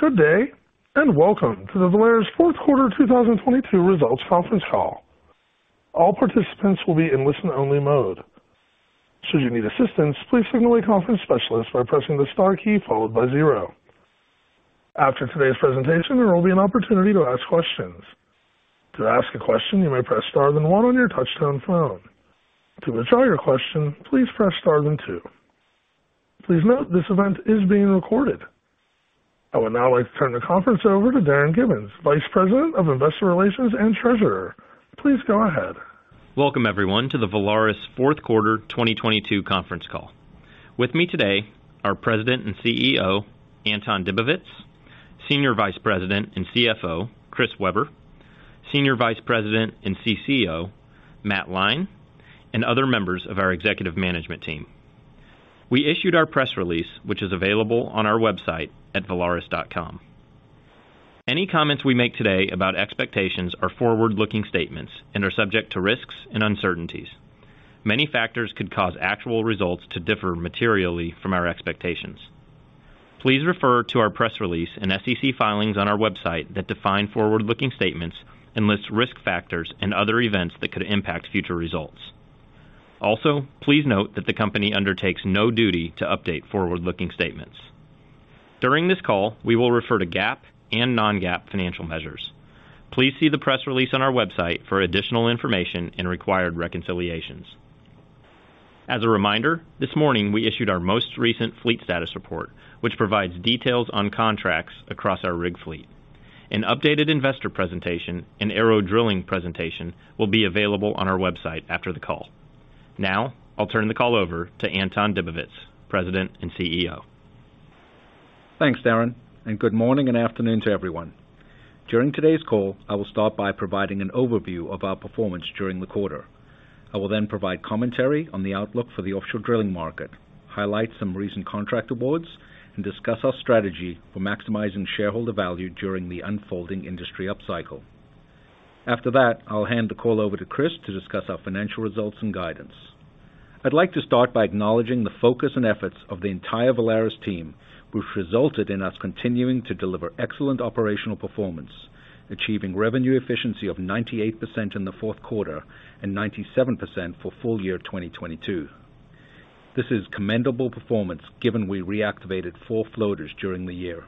Good day, welcome to the Valaris Q4 2022 results conference call. All participants will be in listen-only mode. Should you need assistance, please signal a conference specialist by pressing the star key followed by 0. After today's presentation, there will be an opportunity to ask questions. To ask a question, you may press star then One on your touch-tone phone. To withdraw your question, please press star then Two. Please note this event is being recorded. I would now like to turn the conference over to Darin Gibbins, Vice President of Investor Relations and Treasurer. Please go ahead. Welcome, everyone, to the Valaris Q4 2022 conference call. With me today are President and CEO, Anton Dibowitz, Senior Vice President and CFO, Chris Weber, Senior Vice President and CCO, Matt Lyne, and other members of our executive management team. We issued our press release, which is available on our website at valaris.com. Any comments we make today about expectations are forward-looking statements and are subject to risks and uncertainties. Many factors could cause actual results to differ materially from our expectations. Please refer to our press release and SEC filings on our website that define forward-looking statements and lists risk factors and other events that could impact future results. Please note that the company undertakes no duty to update forward-looking statements. During this call, we will refer to GAAP and non-GAAP financial measures. Please see the press release on our website for additional information and required reconciliations. As a reminder, this morning, we issued our most recent fleet status report, which provides details on contracts across our rig fleet. An updated investor presentation and ARO Drilling presentation will be available on our website after the call. Now, I'll turn the call over to Anton Dibowitz, President and CEO. Thanks, Darin, and good morning and afternoon to everyone. During today's call, I will start by providing an overview of our performance during the quarter. I will then provide commentary on the outlook for the offshore drilling market, highlight some recent contract awards, and discuss our strategy for maximizing shareholder value during the unfolding industry upcycle. After that, I'll hand the call over to Chris to discuss our financial results and guidance. I'd like to start by acknowledging the focus and efforts of the entire Valaris team, which resulted in us continuing to deliver excellent operational performance, achieving revenue efficiency of 98% in the Q4 and 97% for full year 2022. This is commendable performance given we reactivated four floaters during the year.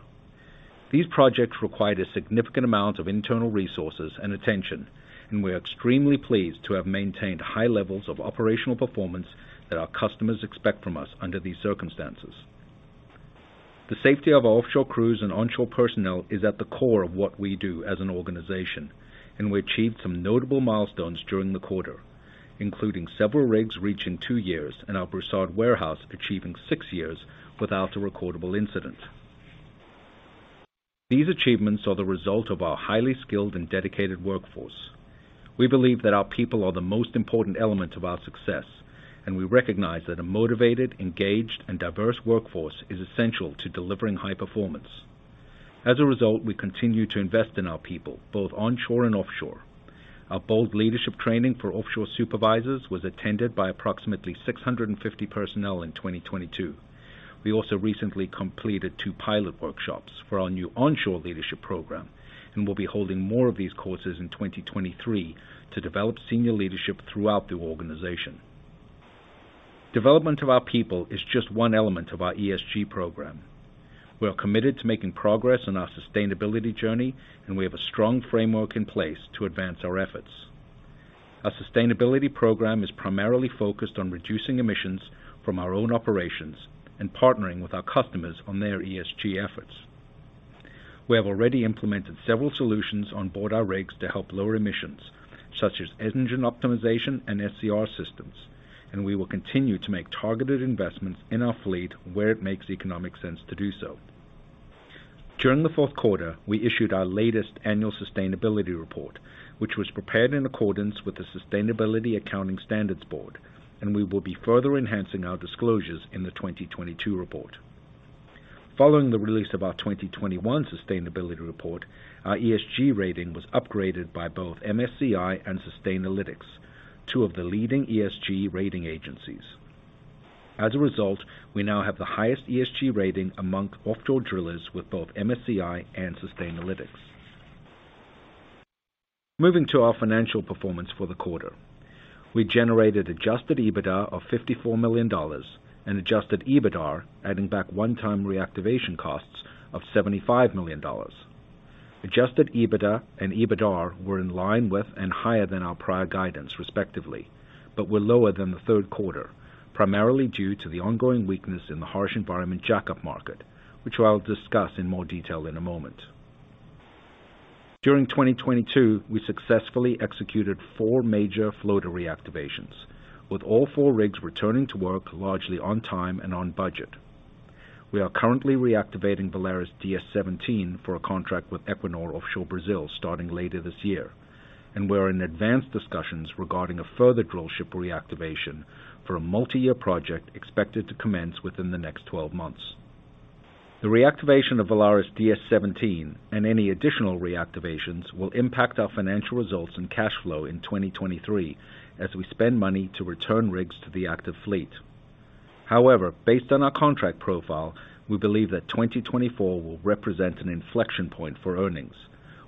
These projects required a significant amount of internal resources and attention, and we are extremely pleased to have maintained high levels of operational performance that our customers expect from us under these circumstances. The safety of our offshore crews and onshore personnel is at the core of what we do as an organization, and we achieved some notable milestones during the quarter, including several rigs reaching two years and our Broussard warehouse achieving six years without a recordable incident. These achievements are the result of our highly skilled and dedicated workforce. We believe that our people are the most important element of our success, and we recognize that a motivated, engaged, and diverse workforce is essential to delivering high performance. As a result, we continue to invest in our people, both onshore and offshore. Our bold leadership training for offshore supervisors was attended by approximately 650 personnel in 2022. We also recently completed 2 pilot workshops for our new onshore leadership program and will be holding more of these courses in 2023 to develop senior leadership throughout the organization. Development of our people is just one element of our ESG program. We are committed to making progress on our sustainability journey, and we have a strong framework in place to advance our efforts. Our sustainability program is primarily focused on reducing emissions from our own operations and partnering with our customers on their ESG efforts. We have already implemented several solutions on board our rigs to help lower emissions, such as engine optimization and SCR systems, and we will continue to make targeted investments in our fleet where it makes economic sense to do so. During the Q4, we issued our latest annual sustainability report, which was prepared in accordance with the Sustainability Accounting Standards Board, and we will be further enhancing our disclosures in the 2022 report. Following the release of our 2021 sustainability report, our ESG rating was upgraded by both MSCI and Sustainalytics, two of the leading ESG rating agencies. As a result, we now have the highest ESG rating among offshore drillers with both MSCI and Sustainalytics. Moving to our financial performance for the quarter. We generated adjusted EBITDA of $54 million and adjusted EBITDAR adding back one-time reactivation costs of $75 million. Adjusted EBITDA and EBITDAR were in line with and higher than our prior guidance, respectively, but were lower than the Q3, primarily due to the ongoing weakness in the harsh environment jackup market, which I'll discuss in more detail in a moment. During 2022, we successfully executed four major floater reactivations, with all four rigs returning to work largely on time and on budget. We are currently reactivating VALARIS DS-17 for a contract with Equinor Offshore Brazil starting later this year, and we're in advanced discussions regarding a further drillship reactivation for a multi-year project expected to commence within the next 12 months. The reactivation of VALARIS DS-17 and any additional reactivations will impact our financial results and cash flow in 2023 as we spend money to return rigs to the active fleet. Based on our contract profile, we believe that 2024 will represent an inflection point for earnings,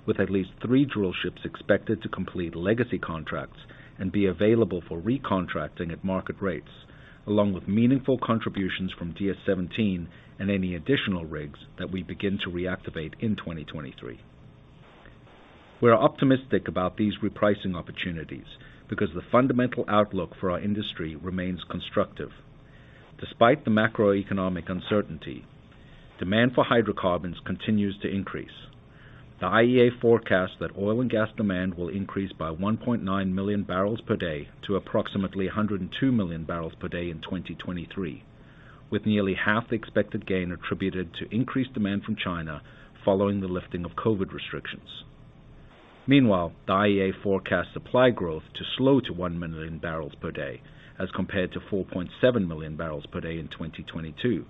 with at least three drillships expected to complete legacy contracts and be available for recontracting at market rates, along with meaningful contributions from DS-17 and any additional rigs that we begin to reactivate in 2023. We are optimistic about these repricing opportunities because the fundamental outlook for our industry remains constructive. Despite the macroeconomic uncertainty, demand for hydrocarbons continues to increase. The IEA forecasts that oil and gas demand will increase by 1.9 million barrels per day to approximately 102 million barrels per day in 2023, with nearly half the expected gain attributed to increased demand from China following the lifting of COVID restrictions. Meanwhile, the IEA forecasts supply growth to slow to 1 million barrels per day as compared to 4.7 million barrels per day in 2022,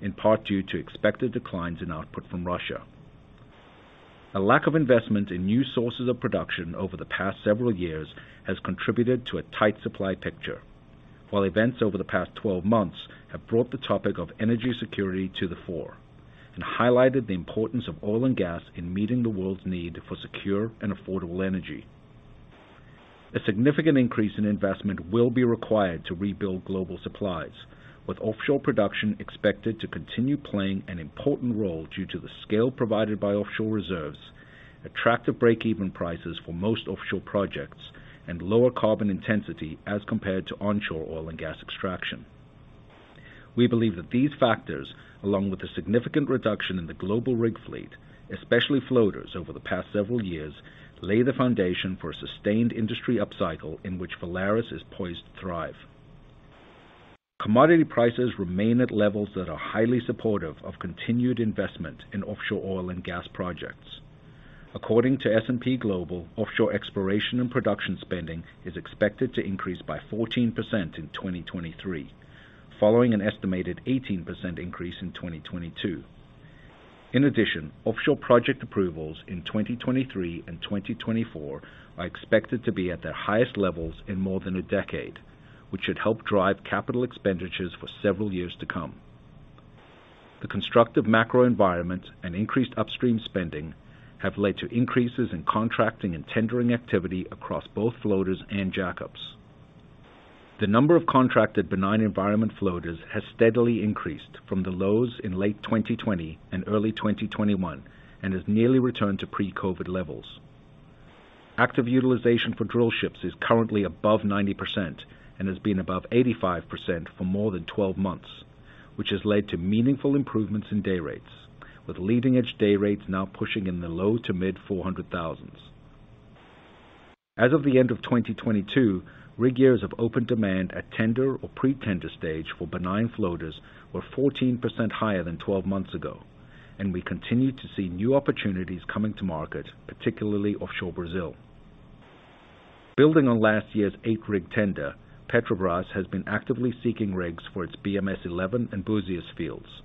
in part due to expected declines in output from Russia. A lack of investment in new sources of production over the past several years has contributed to a tight supply picture. While events over the past 12 months have brought the topic of energy security to the fore and highlighted the importance of oil and gas in meeting the world's need for secure and affordable energy. A significant increase in investment will be required to rebuild global supplies, with offshore production expected to continue playing an important role due to the scale provided by offshore reserves, attractive break-even prices for most offshore projects, and lower carbon intensity as compared to onshore oil and gas extraction. We believe that these factors, along with a significant reduction in the global rig fleet, especially floaters over the past several years, lay the foundation for a sustained industry upcycle in which Valaris is poised to thrive. Commodity prices remain at levels that are highly supportive of continued investment in offshore oil and gas projects. According to S&P Global, offshore exploration and production spending is expected to increase by 14% in 2023, following an estimated 18% increase in 2022. In addition, offshore project approvals in 2023 and 2024 are expected to be at their highest levels in more than a decade, which should help drive capital expenditures for several years to come. The constructive macro environment and increased upstream spending have led to increases in contracting and tendering activity across both floaters and jackups. The number of contracted benign environment floaters has steadily increased from the lows in late 2020 and early 2021 and has nearly returned to pre-COVID levels. Active utilization for drillships is currently above 90% and has been above 85% for more than 12 months, which has led to meaningful improvements in day rates, with leading-edge day rates now pushing in the low to mid $400,000s. As of the end of 2022, rig years of open demand at tender or pre-tender stage for benign floaters were 14% higher than 12 months ago. We continue to see new opportunities coming to market, particularly offshore Brazil. Building on last year's Eight-rig tender, Petrobras has been actively seeking rigs for its BMS-11 and Buzios fields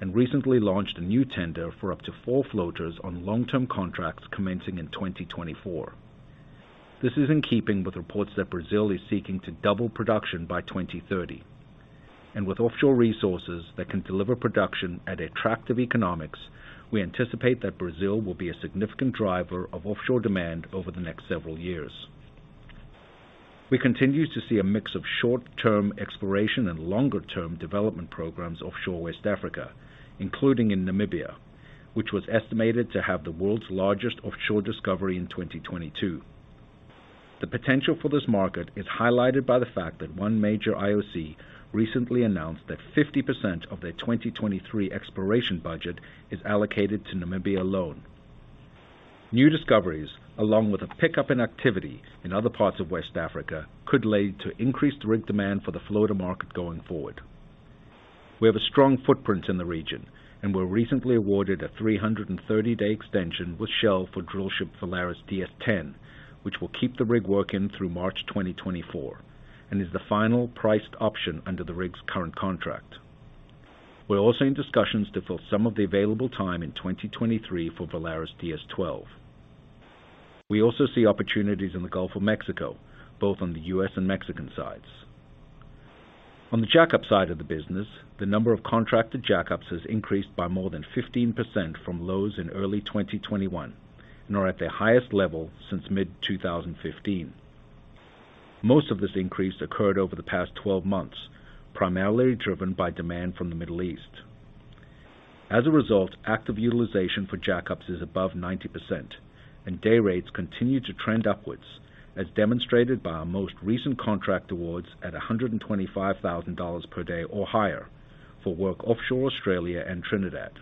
and recently launched a new tender for up to Four floaters on long-term contracts commencing in 2024. This is in keeping with reports that Brazil is seeking to double production by 2030. With offshore resources that can deliver production at attractive economics, we anticipate that Brazil will be a significant driver of offshore demand over the next several years. We continue to see a mix of short-term exploration and longer-term development programs offshore West Africa, including in Namibia, which was estimated to have the world's largest offshore discovery in 2022. The potential for this market is highlighted by the fact that one major IOC recently announced that 50% of their 2023 exploration budget is allocated to Namibia alone. New discoveries, along with a pickup in activity in other parts of West Africa, could lead to increased rig demand for the floater market going forward. We have a strong footprint in the region, were recently awarded a 330-day extension with Shell for drillship VALARIS DS-10, which will keep the rig working through March 2024 and is the final priced option under the rig's current contract. We're also in discussions to fill some of the available time in 2023 for VALARIS DS-12. We also see opportunities in the Gulf of Mexico, both on the U.S. and Mexican sides. On the jackup side of the business, the number of contracted jackups has increased by more than 15% from lows in early 2021 and are at their highest level since mid-2015. Most of this increase occurred over the past 12 months, primarily driven by demand from the Middle East. As a result, active utilization for jackups is above 90%, and day rates continue to trend upwards, as demonstrated by our most recent contract awards at $125,000 per day or higher for work offshore Australia and Trinidad.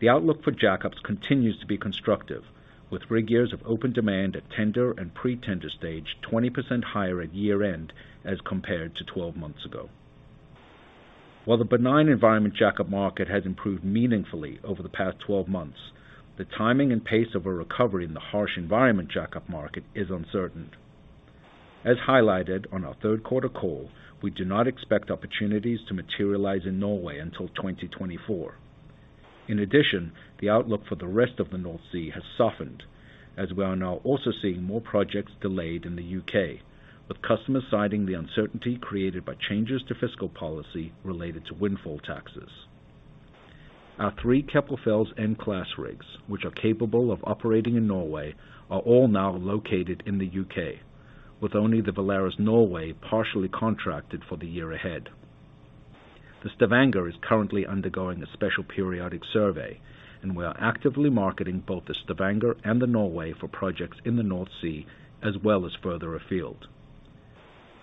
The outlook for jackups continues to be constructive, with rig years of open demand at tender and pre-tender stage 20% higher at year-end as compared to 12 months ago. While the benign environment jackup market has improved meaningfully over the past 12 months, the timing and pace of a recovery in the harsh environment jackup market is uncertain. As highlighted on our Q3 call, we do not expect opportunities to materialize in Norway until 2024. The outlook for the rest of the North Sea has softened as we are now also seeing more projects delayed in the UK, with customers citing the uncertainty created by changes to fiscal policy related to windfall taxes. Our three Keppel FELS N-Class rigs, which are capable of operating in Norway, are all now located in the UK, with only the VALARIS Norway partially contracted for the year ahead. The Stavanger is currently undergoing a Special Periodic Survey, and we are actively marketing both the Stavanger and the Norway for projects in the North Sea as well as further afield.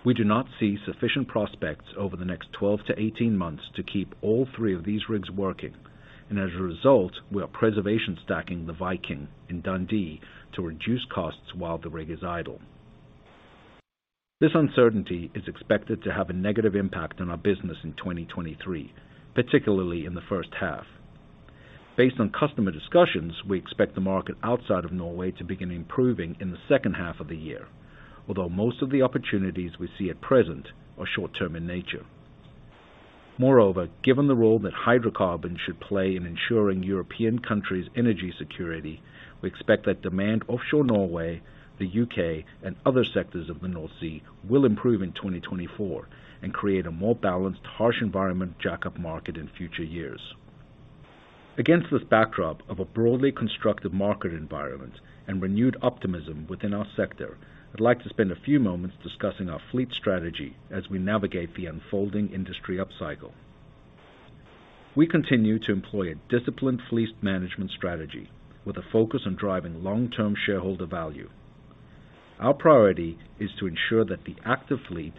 We do not see sufficient prospects over the next 12 to 18 months to keep all Three of these rigs working, and as a result, we are preservation stacking the VALARIS Viking in Dundee to reduce costs while the rig is idle. This uncertainty is expected to have a negative impact on our business in 2023, particularly in the first half. Based on customer discussions, we expect the market outside of Norway to begin improving in the second half of the year. Although most of the opportunities we see at present are short-term in nature. Moreover, given the role that hydrocarbons should play in ensuring European countries' energy security, we expect that demand offshore Norway, the U.K., and other sectors of the North Sea will improve in 2024 and create a more balanced, harsh environment jackup market in future years. Against this backdrop of a broadly constructive market environment and renewed optimism within our sector, I'd like to spend a few moments discussing our fleet strategy as we navigate the unfolding industry upcycle. We continue to employ a disciplined fleet management strategy with a focus on driving long-term shareholder value. Our priority is to ensure that the acti fleet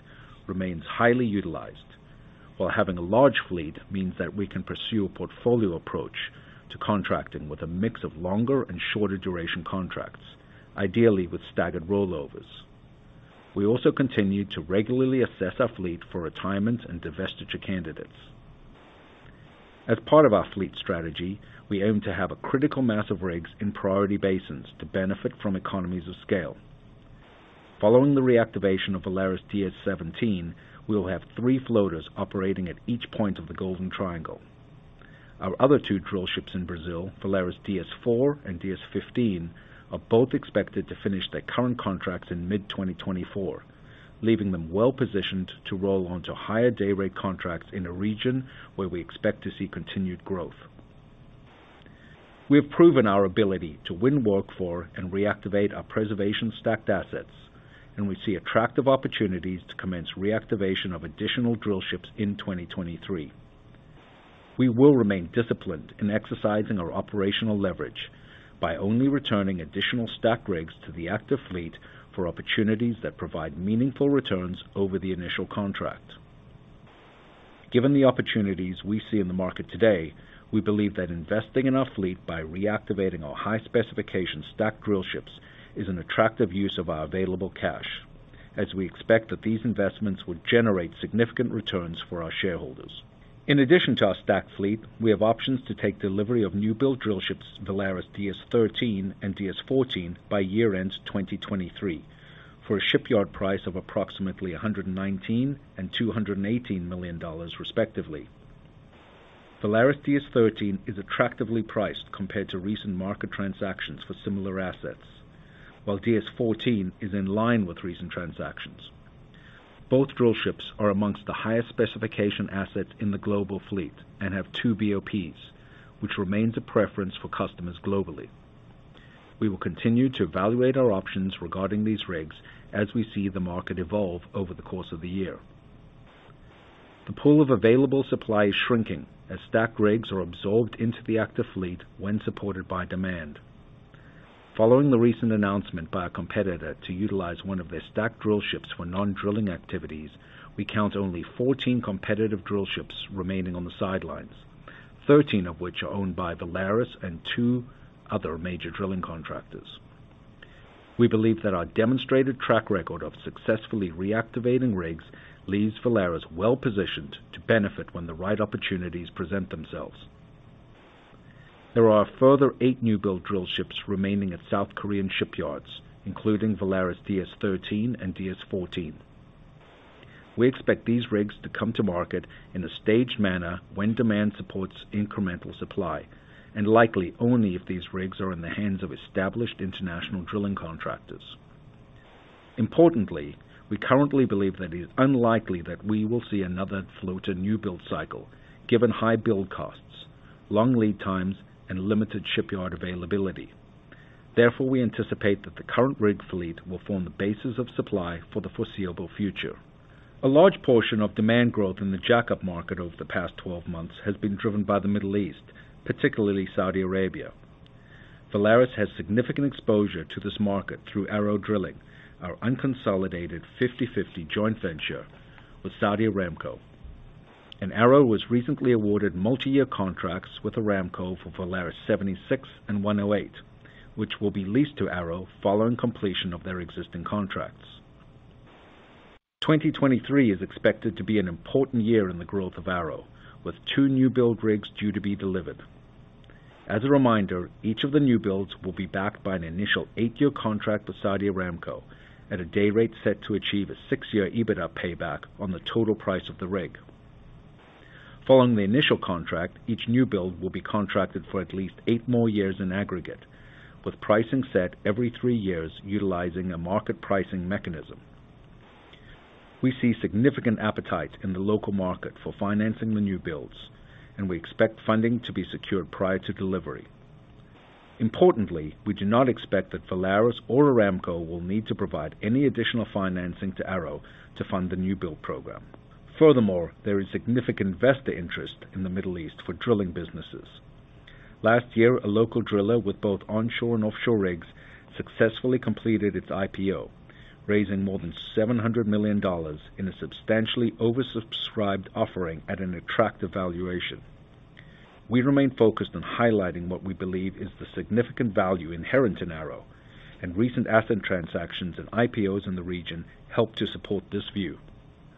remains highly utilized, while having a large fleet means that we can pursue a portfolio approach to contracting with a mix of longer and shorter duration contracts, ideally with staggered rollovers. We also continue to regularly assess our fleet for retirement and divestiture candidates. As part of our fleet strategy, we aim to have a critical mass of rigs in priority basins to benefit from economies of scale. Following the reactivation of Valaris DS-17, we will have three floaters operating at each point of the Golden Triangle. Our other Two drillships in Brazil, VALARIS DS-4 and DS-15, are both expected to finish their current contracts in mid-2024, leaving them well-positioned to roll onto higher day rate contracts in a region where we expect to see continued growth. We have proven our ability to win work for and reactivate our preservation-stacked assets, and we see attractive opportunities to commence reactivation of additional drillships in 2023. We will remain disciplined in exercising our operational leverage by only returning additional stacked rigs to the active fleet for opportunities that provide meaningful returns over the initial contract. Given the opportunities we see in the market today, we believe that investing in our fleet by reactivating our high-specification stacked drillships is an attractive use of our available cash, as we expect that these investments would generate significant returns for our shareholders. In addition to our stacked fleet, we have options to take delivery of new-build drillships VALARIS DS-13 and VALARIS DS-14 by year-end 2023 for a shipyard price of approximately $119 million and $218 million respectively. VALARIS DS-13 is attractively priced compared to recent market transactions for similar assets, while VALARIS DS-14 is in line with recent transactions. Both drillships are amongst the highest specification assets in the global fleet and have two BOPs, which remains a preference for customers globally. We will continue to evaluate our options regarding these rigs as we see the market evolve over the course of the year. The pool of available supply is shrinking as stacked rigs are absorbed into the active fleet when supported by demand. Following the recent announcement by a competitor to utilize one of their stacked drillships for non-drilling activities, we count only 14 competitive drillships remaining on the sidelines, 13 of which are owned by Valaris and Two other major drilling contractors. We believe that our demonstrated track record of successfully reactivating rigs leaves Valaris well-positioned to benefit when the right opportunities present themselves. There are a further Eight new-build drillships remaining at South Korean shipyards, including VALARIS DS-13 and DS-14. We expect these rigs to come to market in a staged manner when demand supports incremental supply, and likely only if these rigs are in the hands of established international drilling contractors. Importantly, we currently believe that it is unlikely that we will see another floater new-build cycle given high build costs, long lead times, and limited shipyard availability. Therefore, we anticipate that the current rig fleet will form the basis of supply for the foreseeable future. A large portion of demand growth in the jackup market over the past 12 months has been driven by the Middle East, particularly Saudi Arabia. Valaris has significant exposure to this market through ARO Drilling, our unconsolidated 50/50 joint venture with Saudi Aramco. Arrow was recently awarded multi-year contracts with Aramco for VALARIS 76 and VALARIS 108, which will be leased to Arrow following completion of their existing contracts. 2023 is expected to be an important year in the growth of Arrow, with Two new-build rigs due to be delivered. As a reminder, each of the new builds will be backed by an initial 8-year contract with Saudi Aramco at a day rate set to achieve a Six-year EBITDA payback on the total price of the rig. Following the initial contract, each new build will be contracted for at least Eight more years in aggregate, with pricing set every Three years utilizing a market pricing mechanism. We see significant appetite in the local market for financing the new builds, and we expect funding to be secured prior to delivery. Importantly, we do not expect that Valaris or Aramco will need to provide any additional financing to Arrow to fund the new build program. Furthermore, there is significant investor interest in the Middle East for drilling businesses. Last year, a local driller with both onshore and offshore rigs successfully completed its IPO, raising more than $700 million in a substantially oversubscribed offering at an attractive valuation. We remain focused on highlighting what we believe is the significant value inherent in Arrow, and recent asset transactions and IPOs in the region help to support this view.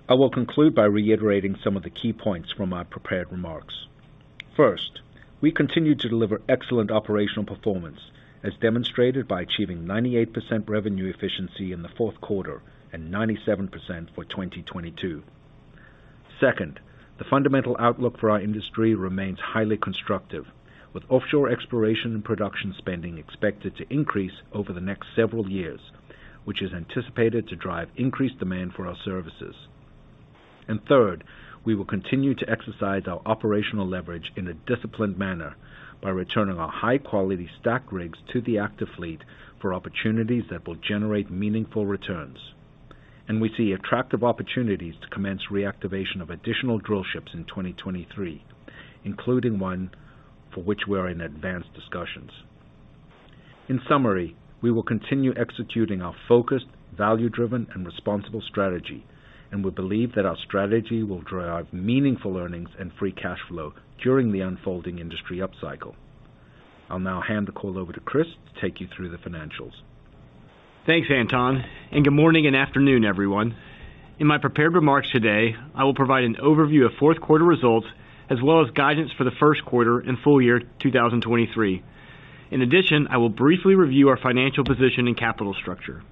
I will conclude by reiterating some of the key points from our prepared remarks. First, we continue to deliver excellent operational performance, as demonstrated by achieving 98% revenue efficiency in the Q4 and 97% for 2022. Second, the fundamental outlook for our industry remains highly constructive, with offshore exploration and production spending expected to increase over the next several years, which is anticipated to drive increased demand for our services. Third, we will continue to exercise our operational leverage in a disciplined manner by returning our high-quality stack rigs to the active fleet for opportunities that will generate meaningful returns. We see attractive opportunities to commence reactivation of additional drillships in 2023, including one for which we are in advanced discussions. In summary, we will continue executing our focused, value-driven, and responsible strategy. We believe that our strategy will drive meaningful earnings and free cash flow during the unfolding industry upcycle. I'll now hand the call over to Chris to take you through the financials. Thanks, Anton. Good morning and afternoon, everyone. In my prepared remarks today, I will provide an overview of Q4 results as well as guidance for the Q1 and full year 2023. In addition, I will briefly review our financial position and capital structure.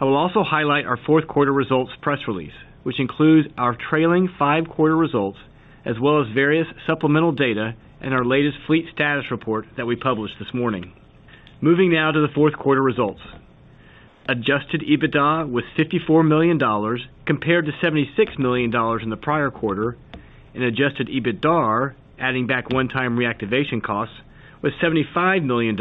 I will also highlight our Q4 results press release, which includes our trailing Q5 results as well as various supplemental data in our latest fleet status report that we published this morning. Moving now to the Q4 results. Adjusted EBITDA was $54 million compared to $76 million in the prior quarter, and adjusted EBITDAR, adding back one-time reactivation costs, was $75 million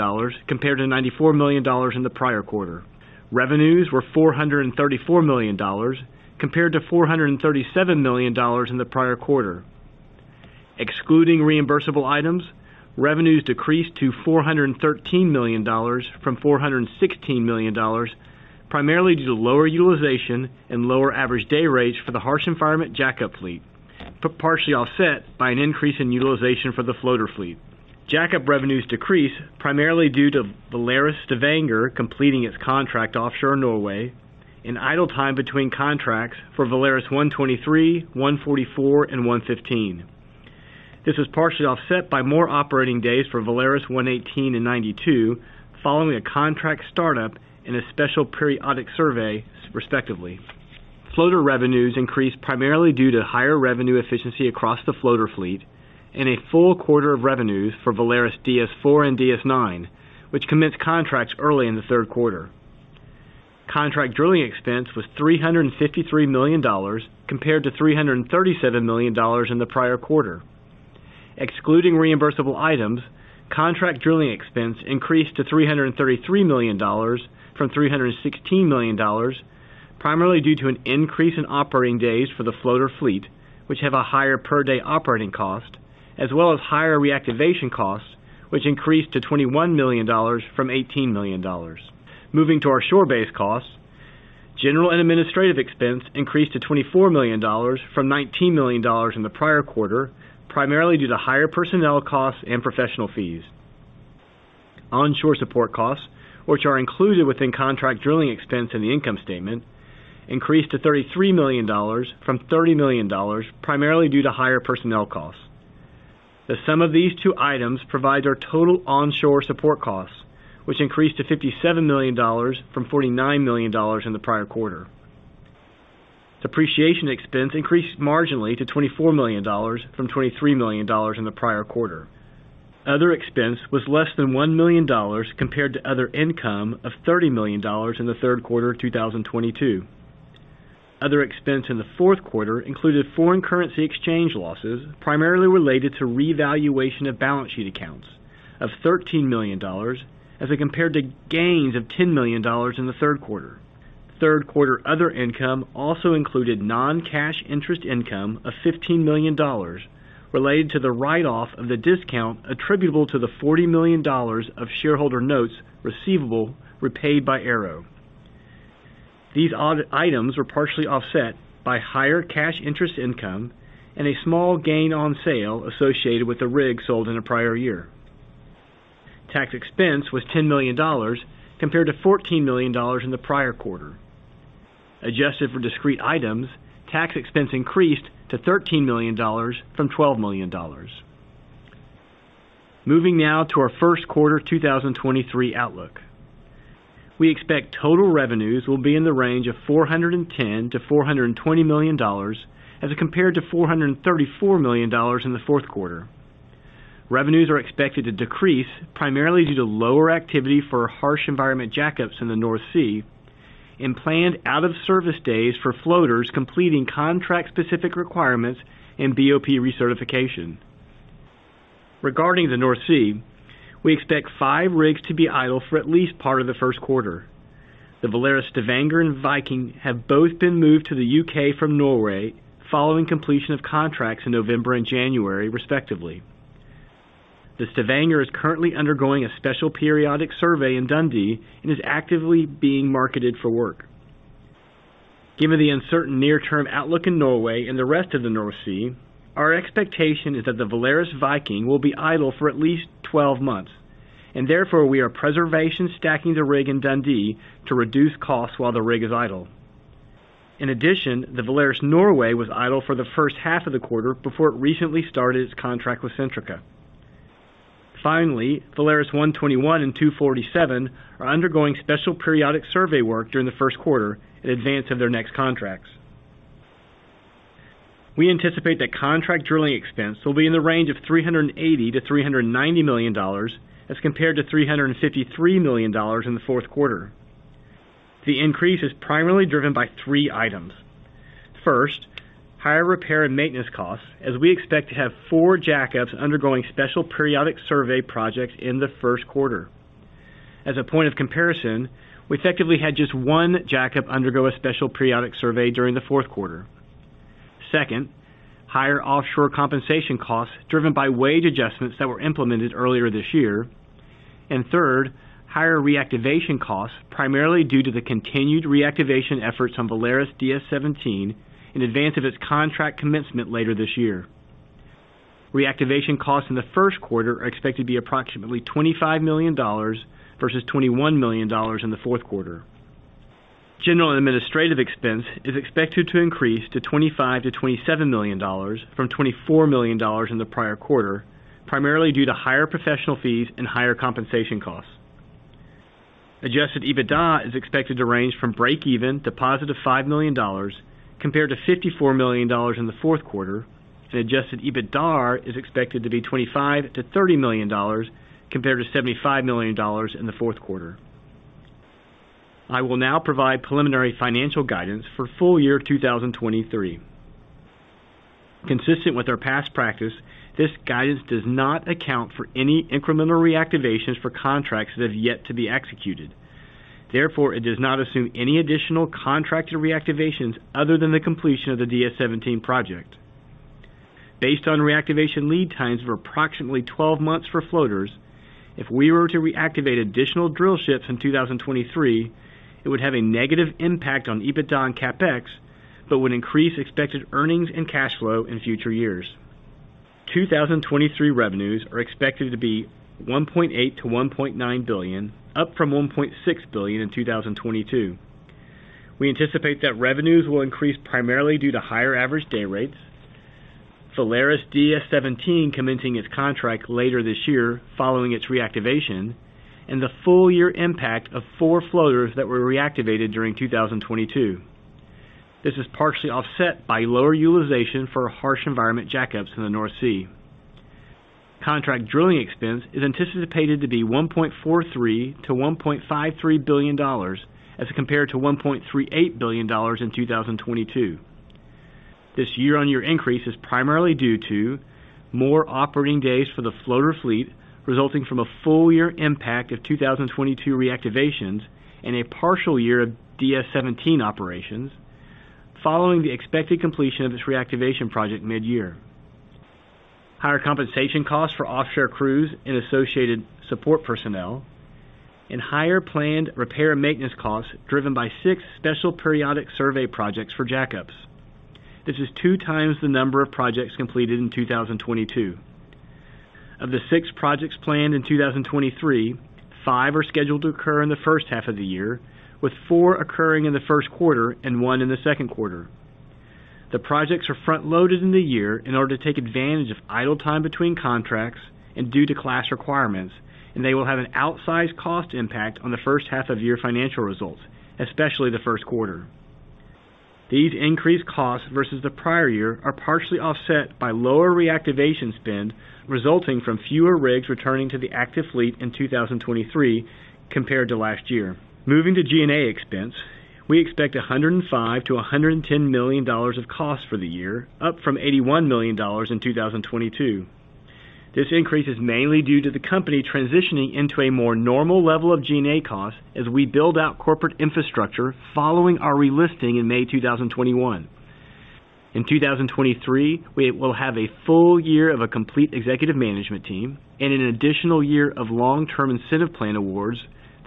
compared to $94 million in the prior quarter. Revenues were $434 million compared to $437 million in the prior quarter. Excluding reimbursable items, revenues decreased to $413 million from $416 million, primarily due to lower utilization and lower average day rates for the harsh environment jackup fleet, but partially offset by an increase in utilization for the floater fleet. Jackup revenues decreased primarily due to Valaris Stavanger completing its contract offshore Norway and idle time between contracts for Valaris 123, 144, and 115. This was partially offset by more operating days for Valaris 118 and 92 following a contract startup in a Special Periodic Survey, respectively. Floater revenues increased primarily due to higher revenue efficiency across the floater fleet and a full quarter of revenues for Valaris DS4 and DS9, which commenced contracts early in the Q3. Contract drilling expense was $353 million compared to $337 million in the prior quarter. Excluding reimbursable items, contract drilling expense increased to $333 million from $316 million, primarily due to an increase in operating days for the floater fleet, which have a higher per-day operating cost, as well as higher reactivation costs, which increased to $21 million from $18 million. Moving to our shore-based costs, G&A expense increased to $24 million from $19 million in the prior quarter, primarily due to higher personnel costs and professional fees. Onshore support costs, which are included within contract drilling expense in the income statement, increased to $33 million from $30 million, primarily due to higher personnel costs. The sum of these two items provides our total onshore support costs, which increased to $57 million from $49 million in the prior quarter. Depreciation expense increased marginally to $24 million from $23 million in the prior quarter. Other expense was less than $1 million compared to other income of $30 million in the Q3 of 2022. Other expense in the Q4 included foreign currency exchange losses, primarily related to revaluation of balance sheet accounts of $13 million as it compared to gains of $10 million in the Q3. Q3 other income also included non-cash interest income of $15 million related to the write-off of the discount attributable to the $40 million of shareholder notes receivable repaid by ARO. These odd items were partially offset by higher cash interest income and a small gain on sale associated with the rig sold in a prior year. Tax expense was $10 million compared to $14 million in the prior quarter. Adjusted for discrete items, tax expense increased to $13 million from $12 million. Moving now to our Q1 2023 outlook. We expect total revenues will be in the range of $410 million-$420 million as it compared to $434 million in the Q4. Revenues are expected to decrease primarily due to lower activity for harsh environment jackups in the North Sea and planned out of service days for floaters completing contract specific requirements and BOP recertification. Regarding the North Sea, we expect five rigs to be idle for at least part of the Q1. The VALARIS Stavanger and VALARIS Viking have both been moved to the U.K. from Norway following completion of contracts in November and January, respectively. The VALARIS Stavanger is currently undergoing a Special Periodic Survey in Dundee and is actively being marketed for work. Given the uncertain near-term outlook in Norway and the rest of the North Sea, our expectation is that the VALARIS Viking will be idle for at least 12 months, and therefore we are preservation stacking the rig in Dundee to reduce costs while the rig is idle. In addition, the VALARIS Norway was idle for the first half of the quarter before it recently started its contract with Centrica. VALARIS 121 and VALARIS 247 are undergoing Special Periodic Survey work during the Q1 in advance of their next contracts. We anticipate that contract drilling expense will be in the range of $380 million to $390 million as compared to $353 million in the Q4. The increase is primarily driven by Three items. First, higher repair and maintenance costs, as we expect to have Four jackups undergoing Special Periodic Survey projects in the Q1. As a point of comparison, we effectively had just One jackup undergo a Special Periodic Survey during the Q4. Second, higher offshore compensation costs driven by wage adjustments that were implemented earlier this year. Third, higher reactivation costs, primarily due to the continued reactivation efforts on VALARIS DS-17 in advance of its contract commencement later this year. Reactivation costs in the Q1 are expected to be approximately $25 million versus $21 million in the Q4. General and administrative expense is expected to increase to $25 million-$27 million from $24 million in the prior quarter, primarily due to higher professional fees and higher compensation costs. Adjusted EBITDA is expected to range from break even to positive $5 million compared to $54 million in the Q4, and adjusted EBITDAR is expected to be $25 million-$30 million compared to $75 million in the Q4. I will now provide preliminary financial guidance for full year 2023. Consistent with our past practice, this guidance does not account for any incremental reactivations for contracts that have yet to be executed. It does not assume any additional contracted reactivations other than the completion of the DS-17 project. Based on reactivation lead times of approximately 12 months for floaters, if we were to reactivate additional drill ships in 2023, it would have a negative impact on EBITDA and CapEx, but would increase expected earnings and cash flow in future years. 2023 revenues are expected to be $1.8 billion-$1.9 billion, up from $1.6 billion in 2022. We anticipate that revenues will increase primarily due to higher average day rates. VALARIS DS-17 commencing its contract later this year following its reactivation and the full year impact of Four floaters that were reactivated during 2022. This is partially offset by lower utilization for harsh environment jackups in the North Sea. Contract drilling expense is anticipated to be $1.43 billion-$1.53 billion as compared to $1.38 billion in 2022. This year-on-year increase is primarily due to more operating days for the floater fleet resulting from a full year impact of 2022 reactivations and a partial year of VALARIS DS-17 operations following the expected completion of this reactivation project mid-year. Higher compensation costs for offshore crews and associated support personnel and higher planned repair and maintenance costs driven by Six Special Periodic Survey projects for jackups. This is Two times the number of projects completed in 2022. Of the Six projects planned in 2023, Five are scheduled to occur in the first half of the year, with four occurring in the Q1 and One in the Q2. The projects are front-loaded in the year in order to take advantage of idle time between contracts and due to class requirements, they will have an outsized cost impact on the first half of year financial results, especially the Q1. These increased costs versus the prior year are partially offset by lower reactivation spend resulting from fewer rigs returning to the active fleet in 2023 compared to last year. Moving to G&A expense, we expect $105 million-$110 million of cost for the year, up from $81 million in 2022. This increase is mainly due to the company transitioning into a more normal level of G&A cost as we build out corporate infrastructure following our relisting in May 2021. In 2023, we will have a full year of a complete executive management team and an additional year of long-term incentive plan awards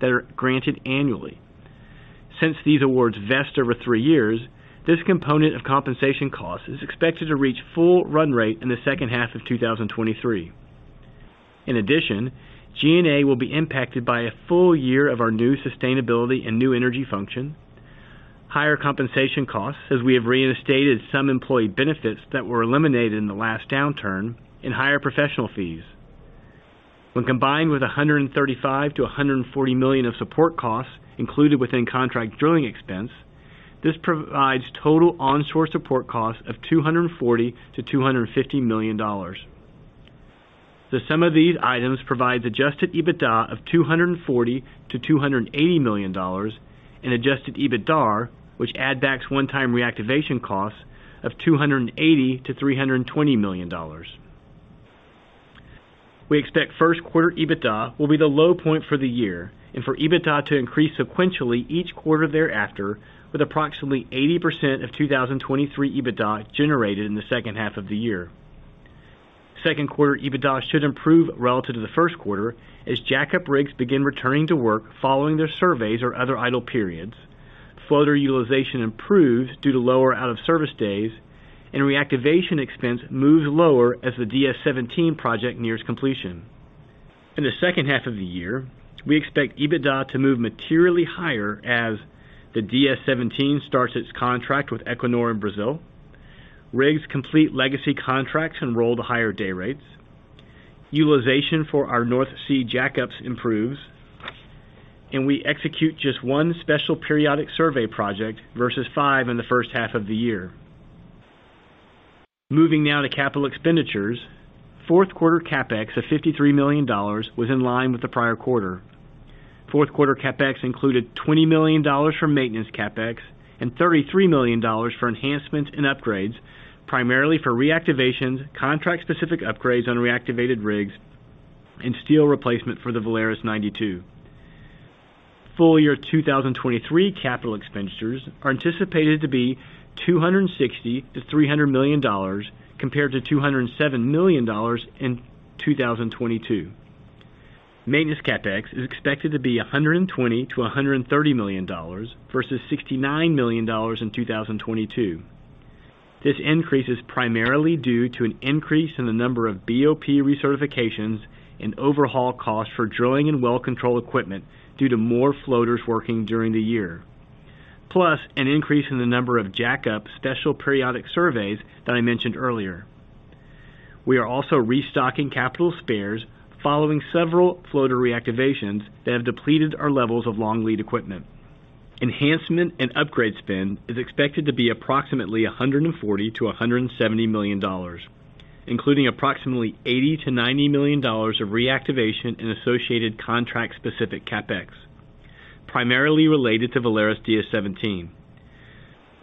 that are granted annually. Since these awards vest over Three years, this component of compensation cost is expected to reach full run rate in the second half of 2023. In addition, G&A will be impacted by a full year of our new sustainability and new energy function, higher compensation costs as we have reinstated some employee benefits that were eliminated in the last downturn, and higher professional fees. When combined with $135 million-$140 million of support costs included within contract drilling expense, this provides total onshore support costs of $240 million-$250 million. The sum of these items provides adjusted EBITDA of $240 million-$280 million and adjusted EBITDAR, which adds back one-time reactivation costs of $280 million-$320 million. We expect Q1 EBITDA will be the low point for the year and for EBITDA to increase sequentially each quarter thereafter, with approximately 80% of 2023 EBITDA generated in the second half of the year. Q2 EBITDA should improve relative to the Q1 as jackup rigs begin returning to work following their surveys or other idle periods. Floater utilization improves due to lower out-of-service days. Reactivation expense moves lower as the DS 17 project nears completion. In the second half of the year, we expect EBITDA to move materially higher as the VALARIS DS-17 starts its contract with Equinor in Brazil, rigs complete legacy contracts and roll to higher day rates. Utilization for our North Sea jackups improves, we execute just one Special Periodic Survey project versus five in the first half of the year. Moving now to capital expenditures. Q4 CapEx of $53 million was in line with the prior quarter. Q4 CapEx included $20 million for maintenance CapEx and $33 million for enhancements and upgrades, primarily for reactivations, contract-specific upgrades on reactivated rigs, and steel replacement for the VALARIS 92. Full year 2023 capital expenditures are anticipated to be $260 million-$300 million compared to $207 million in 2022. Maintenance CapEx is expected to be $120 million-$130 million versus $69 million in 2022. This increase is primarily due to an increase in the number of BOP recertifications and overhaul costs for drilling and well control equipment due to more floaters working during the year, plus an increase in the number of jackup Special Periodic Surveys that I mentioned earlier. We are also restocking capital spares following several floater reactivations that have depleted our levels of long lead equipment. Enhancement and upgrade spend is expected to be approximately $140 million-$170 million, including approximately $80 million-$90 million of reactivation and associated contract-specific CapEx, primarily related to Valaris DS-17.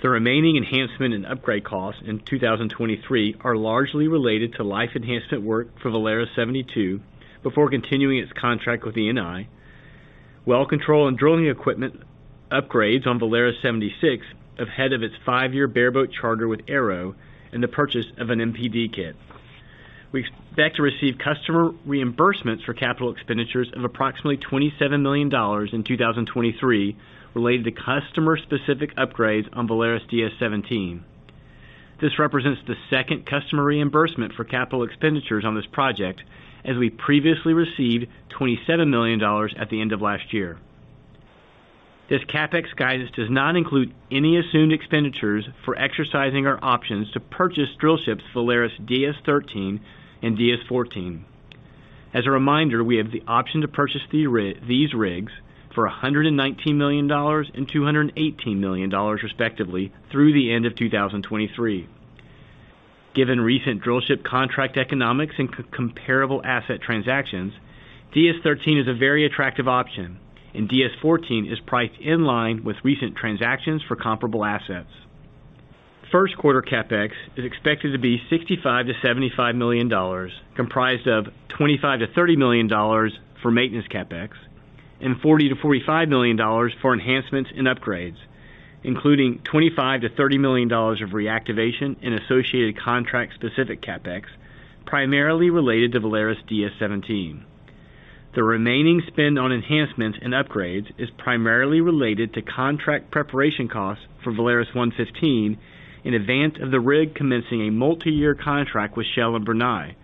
The remaining enhancement and upgrade costs in 2023 are largely related to life enhancement work for Valaris 72 before continuing its contract with Eni, well control and drilling equipment upgrades on Valaris 76 ahead of its Five-year bareboat charter with ARO, and the purchase of an MPD kit. We expect to receive customer reimbursements for capital expenditures of approximately $27 million in 2023 related to customer-specific upgrades on Valaris DS-17. This represents the second customer reimbursement for capital expenditures on this project, as we previously received $27 million at the end of last year. This CapEx guidance does not include any assumed expenditures for exercising our options to purchase drillships Valaris DS-13 and DS-14. As a reminder, we have the option to purchase these rigs for $119 million and $218 million respectively through the end of 2023. Given recent drillship contract economics and comparable asset transactions, DS-13 is a very attractive option and DS-14 is priced in line with recent transactions for comparable assets. Q1 CapEx is expected to be $65 million-$75 million, comprised of $25 million-$30 million for maintenance CapEx and $40 million-$45 million for enhancements and upgrades, including $25 million-$30 million of reactivation and associated contract-specific CapEx, primarily related to Valaris DS-17. The remaining spend on enhancements and upgrades is primarily related to contract preparation costs for VALARIS 115 in advance of the rig commencing a multi-year contract with Shell and Brunei,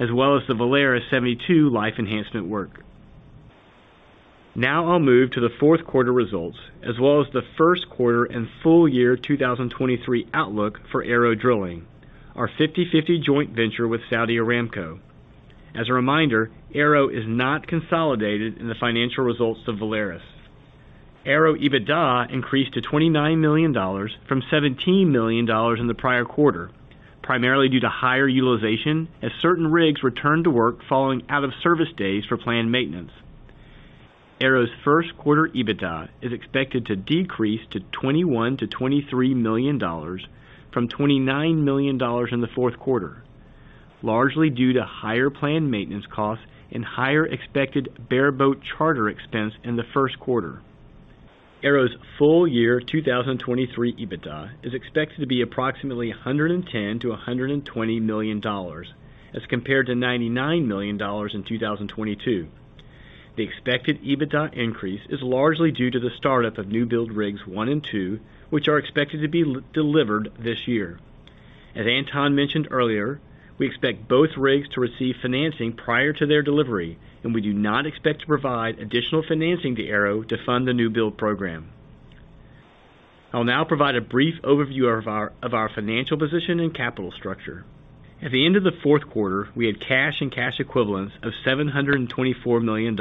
as well as the Valaris 72 life enhancement work. I'll move to the Q4 results, as well as the Q1 and full year 2023 outlook for ARO Drilling, our 50/50 joint venture with Saudi Aramco. As a reminder, ARO is not consolidated in the financial results of Valaris. ARO EBITDA increased to $29 million from $17 million in the prior quarter, primarily due to higher utilization as certain rigs returned to work following out-of-service days for planned maintenance. ARO's Q1 EBITDA is expected to decrease to $21 million-$23 million from $29 million in the Q4, largely due to higher planned maintenance costs and higher expected bareboat charter expense in the Q1. ARO's full year 2023 EBITDA is expected to be approximately $110 million-$120 million as compared to $99 million in 2022. The expected EBITDA increase is largely due to the startup of newbuild rigs one and two, which are expected to be delivered this year. As Anton mentioned earlier, we expect both rigs to receive financing prior to their delivery, and we do not expect to provide additional financing to ARO to fund the newbuild program. I'll now provide a brief overview of our financial position and capital structure. At the end of the Q4, we had cash and cash equivalents of $724 million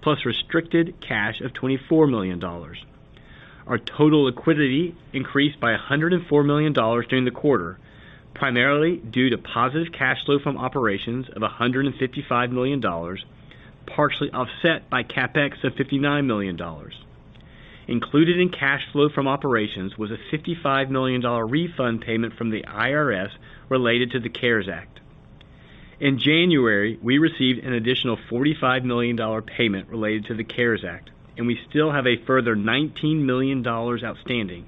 plus restricted cash of $24 million. Our total liquidity increased by $104 million during the quarter, primarily due to positive cash flow from operations of $155 million, partially offset by CapEx of $59 million. Included in cash flow from operations was a $55 million refund payment from the IRS related to the CARES Act. In January, we received an additional $45 million payment related to the CARES Act, and we still have a further $19 million outstanding.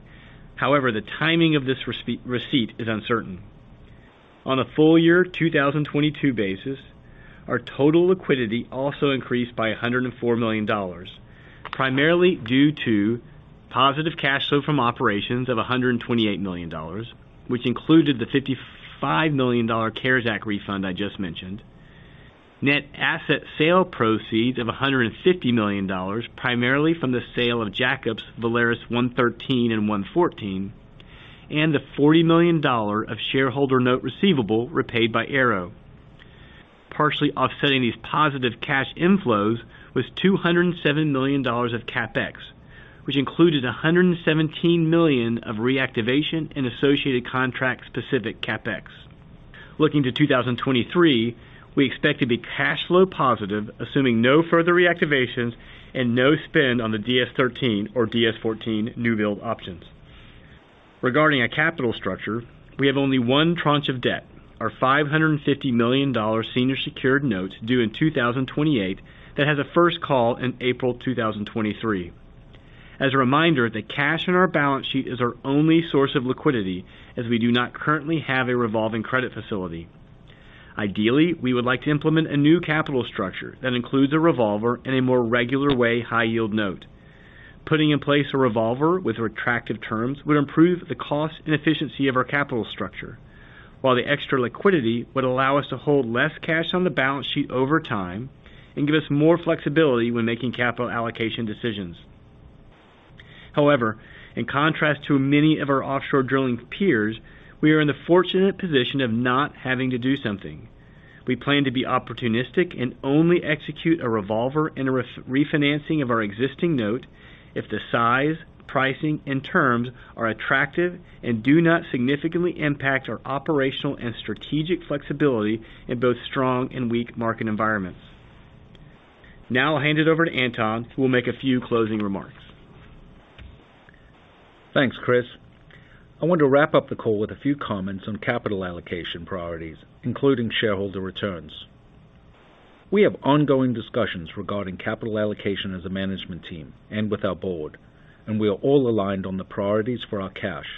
However, the timing of this receipt is uncertain. On a full year 2022 basis, our total liquidity also increased by $104 million, primarily due to positive cash flow from operations of $128 million, which included the $55 million CARES Act refund I just mentioned, net asset sale proceeds of $150 million, primarily from the sale of Jacobs Valaris 113 and 114, and the $40 million of shareholder note receivable repaid by ARO. Partially offsetting these positive cash inflows was $207 million of CapEx, which included $117 million of reactivation and associated contract-specific CapEx. Looking to 2023, we expect to be cash flow positive, assuming no further reactivations and no spend on the DS-13 or DS-14 new build options. Regarding our capital structure, we have only one tranche of debt, our $550 million senior secured notes due in 2028 that has a first call in April 2023. As a reminder, the cash in our balance sheet is our only source of liquidity as we do not currently have a revolving credit facility. Ideally, we would like to implement a new capital structure that includes a revolver and a more regular way high yield note. Putting in place a revolver with retractive terms would improve the cost and efficiency of our capital structure, while the extra liquidity would allow us to hold less cash on the balance sheet over time and give us more flexibility when making capital allocation decisions. However, in contrast to many of our offshore drilling peers, we are in the fortunate position of not having to do something. We plan to be opportunistic and only execute a revolver and a refinancing of our existing note if the size, pricing, and terms are attractive and do not significantly impact our operational and strategic flexibility in both strong and weak market environments. Now I'll hand it over to Anton, who will make a few closing remarks. Thanks, Chris. I want to wrap up the call with a few comments on capital allocation priorities, including shareholder returns. We have ongoing discussions regarding capital allocation as a management team and with our board. We are all aligned on the priorities for our cash.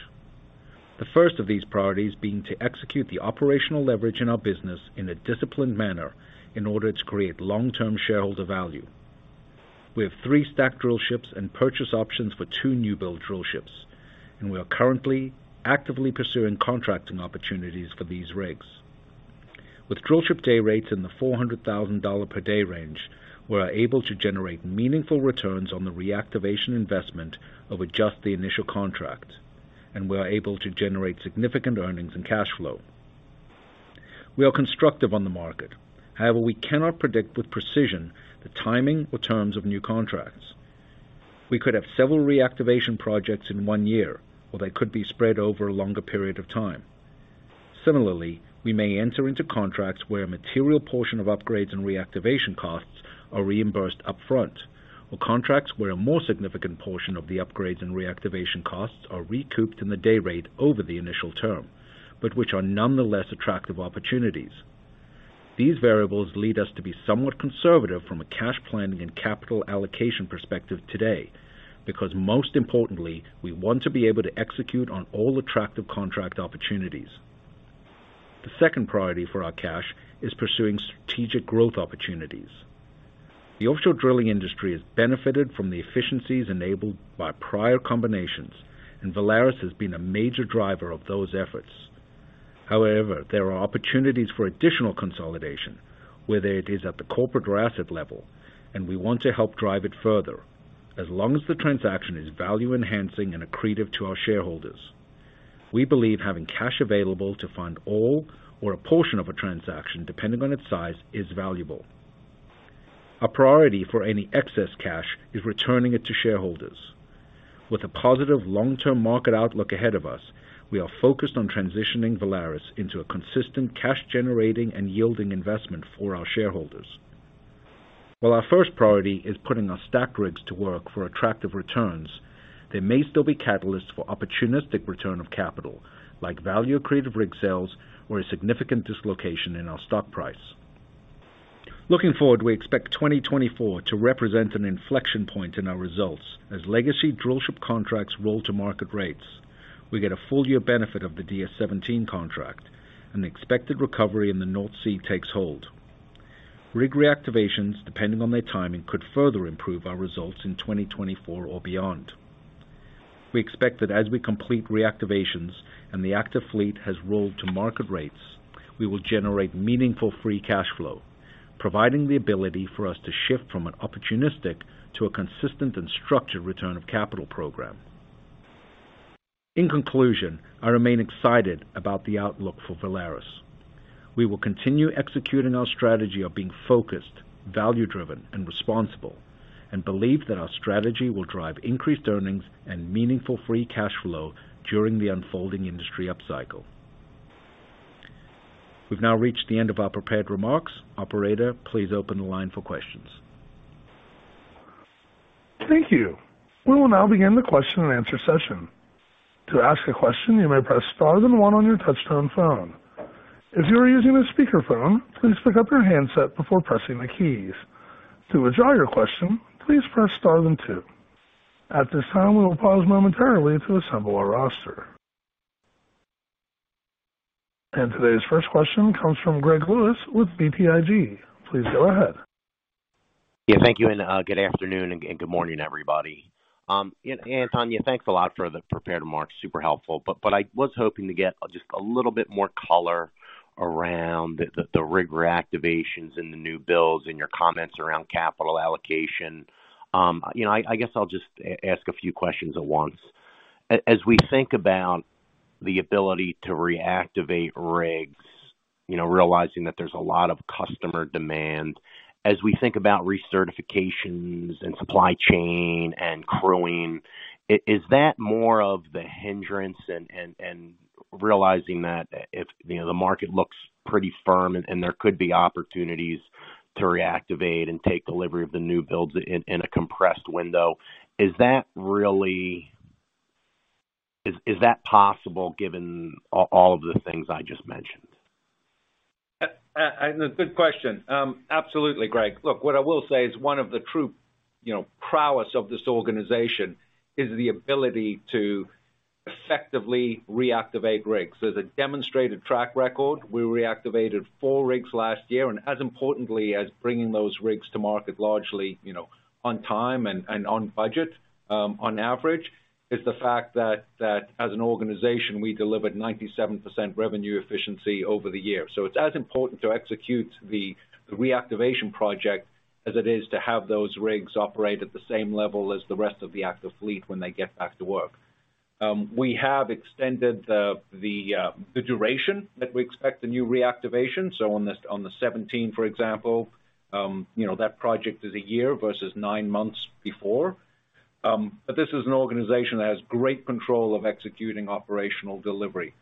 The first of these priorities being to execute the operational leverage in our business in a disciplined manner in order to create long-term shareholder value. We have Three stack drillships and purchase options for Two newbuild drillships. We are currently actively pursuing contracting opportunities for these rigs. With drillship day rates in the $400,000 per day range, we are able to generate meaningful returns on the reactivation investment over just the initial contracts, and we are able to generate significant earnings and cash flow. We are constructive on the market. We cannot predict with precision the timing or terms of new contracts. We could have several reactivation projects in one year, or they could be spread over a longer period of time. We may enter into contracts where a material portion of upgrades and reactivation costs are reimbursed up front, or contracts where a more significant portion of the upgrades and reactivation costs are recouped in the day rate over the initial term, but which are nonetheless attractive opportunities. These variables lead us to be somewhat conservative from a cash planning and capital allocation perspective today, because most importantly, we want to be able to execute on all attractive contract opportunities. The second priority for our cash is pursuing strategic growth opportunities. The offshore drilling industry has benefited from the efficiencies enabled by prior combinations, and Valaris has been a major driver of those efforts. There are opportunities for additional consolidation, whether it is at the corporate or asset level, and we want to help drive it further as long as the transaction is value enhancing and accretive to our shareholders. We believe having cash available to fund all or a portion of a transaction depending on its size is valuable. Our priority for any excess cash is returning it to shareholders. With a positive long-term market outlook ahead of us, we are focused on transitioning Valaris into a consistent cash generating and yielding investment for our shareholders. While our first priority is putting our stack rigs to work for attractive returns, there may still be catalysts for opportunistic return of capital, like value accretive rig sales or a significant dislocation in our stock price. Looking forward, we expect 2024 to represent an inflection point in our results as legacy drillship contracts roll to market rates. We get a full year benefit of the DS-17 contract and the expected recovery in the North Sea takes hold. Rig reactivations, depending on their timing, could further improve our results in 2024 or beyond. We expect that as we complete reactivations and the active fleet has rolled to market rates, we will generate meaningful free cash flow, providing the ability for us to shift from an opportunistic to a consistent and structured return of capital program. In conclusion, I remain excited about the outlook for Valaris. We will continue executing our strategy of being focused, value-driven and responsible, and believe that our strategy will drive increased earnings and meaningful free cash flow during the unfolding industry upcycle. We've now reached the end of our prepared remarks. Operator, please open the line for questions. Thank you. We will now begin the question and answer session. To ask a question, you may press star then one on your touchtone phone. If you are using a speakerphone, please pick up your handset before pressing the keys. To withdraw your question, please press star then two. At this time, we will pause momentarily to assemble our roster. Today's first question comes from Greg Lewis with BTIG. Please go ahead. Yeah, thank you and good afternoon and good morning, everybody. Anton, yeah, thanks a lot for the prepared remarks, super helpful, but I was hoping to get just a little bit more color around the rig reactivations and the new builds and your comments around capital allocation. You know, I guess I'll just ask a few questions at once. As we think about the ability to reactivate rigs, you know, realizing that there's a lot of customer demand, as we think about recertifications and supply chain and crewing, is that more of the hindrance and realizing that if, you know, the market looks pretty firm and there could be opportunities to reactivate and take delivery of the new builds in a compressed window, is that really... Is that possible given all of the things I just mentioned? Good question. Absolutely, Greg. Look, what I will say is one of the true, you know, prowess of this organization is the ability to effectively reactivate rigs. There's a demonstrated track record. We reactivated Four rigs last year, and as importantly as bringing those rigs to market largely, you know, on time and on budget, on average, is the fact that as an organization, we delivered 97% revenue efficiency over the year. It's as important to execute the reactivation project as it is to have those rigs operate at the same level as the rest of the active fleet when they get back to work. We have extended the duration that we expect the new reactivation. On the 17, for example, you know, that project is One year versus Nine months before. This is an organization that has great control of executing operational delivery.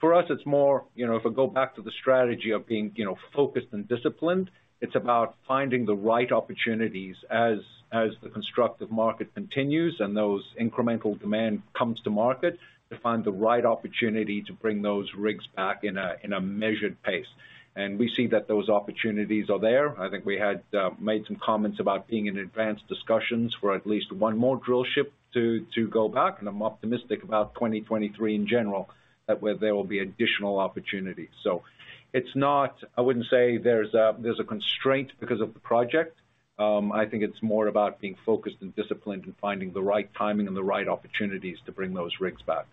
For us, it's more, you know, if I go back to the strategy of being, you know, focused and disciplined, it's about finding the right opportunities as the constructive market continues and those incremental demand comes to market, to find the right opportunity to bring those rigs back in a measured pace. We see that those opportunities are there. I think we had made some comments about being in advanced discussions for at least one more drillship to go back. I'm optimistic about 2023 in general, that where there will be additional opportunities. I wouldn't say there's a constraint because of the project. I think it's more about being focused and disciplined and finding the right timing and the right opportunities to bring those rigs back.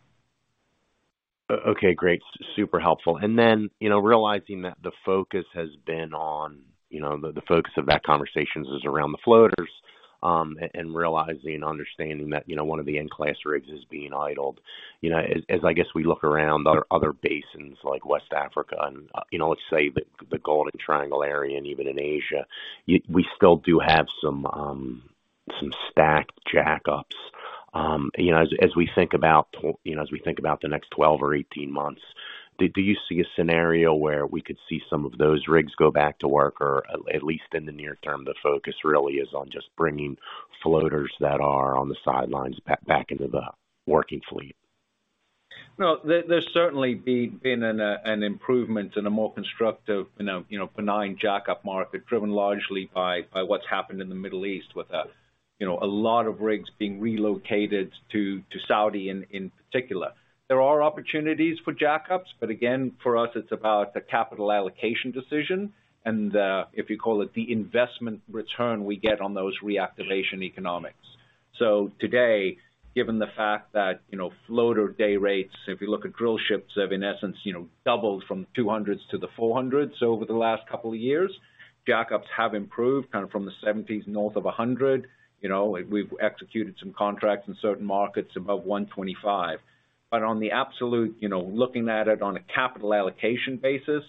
Okay, great. Super helpful. You know, realizing that the focus has been on, you know, the focus of that conversation is around the floaters, and realizing, understanding that, you know, one of the N-Class rigs is being idled. You know, as I guess we look around other basins like West Africa and, you know, let's say the Golden Triangle area and even in Asia, we still do have some stacked jackups. You know, as we think about, you know, as we think about the next 12 or 18 months, do you see a scenario where we could see some of those rigs go back to work or at least in the near term, the focus really is on just bringing floaters that are on the sidelines back into the working fleet? No, there's certainly been an improvement in a more constructive, you know, benign jackup market driven largely by what's happened in the Middle East with, you know, a lot of rigs being relocated to Saudi in particular. There are opportunities for jackups, but again, for us it's about the capital allocation decision and if you call it the investment return we get on those reactivation economics. Today, given the fact that, you know, floater day rates, if you look at drill ships have in essence, you know, doubled from $200s-$400s over the last couple of years. Jackups have improved kind of from the $70s north of $100. You know, we've executed some contracts in certain markets above $125. On the absolute, you know, looking at it on a capital allocation basis,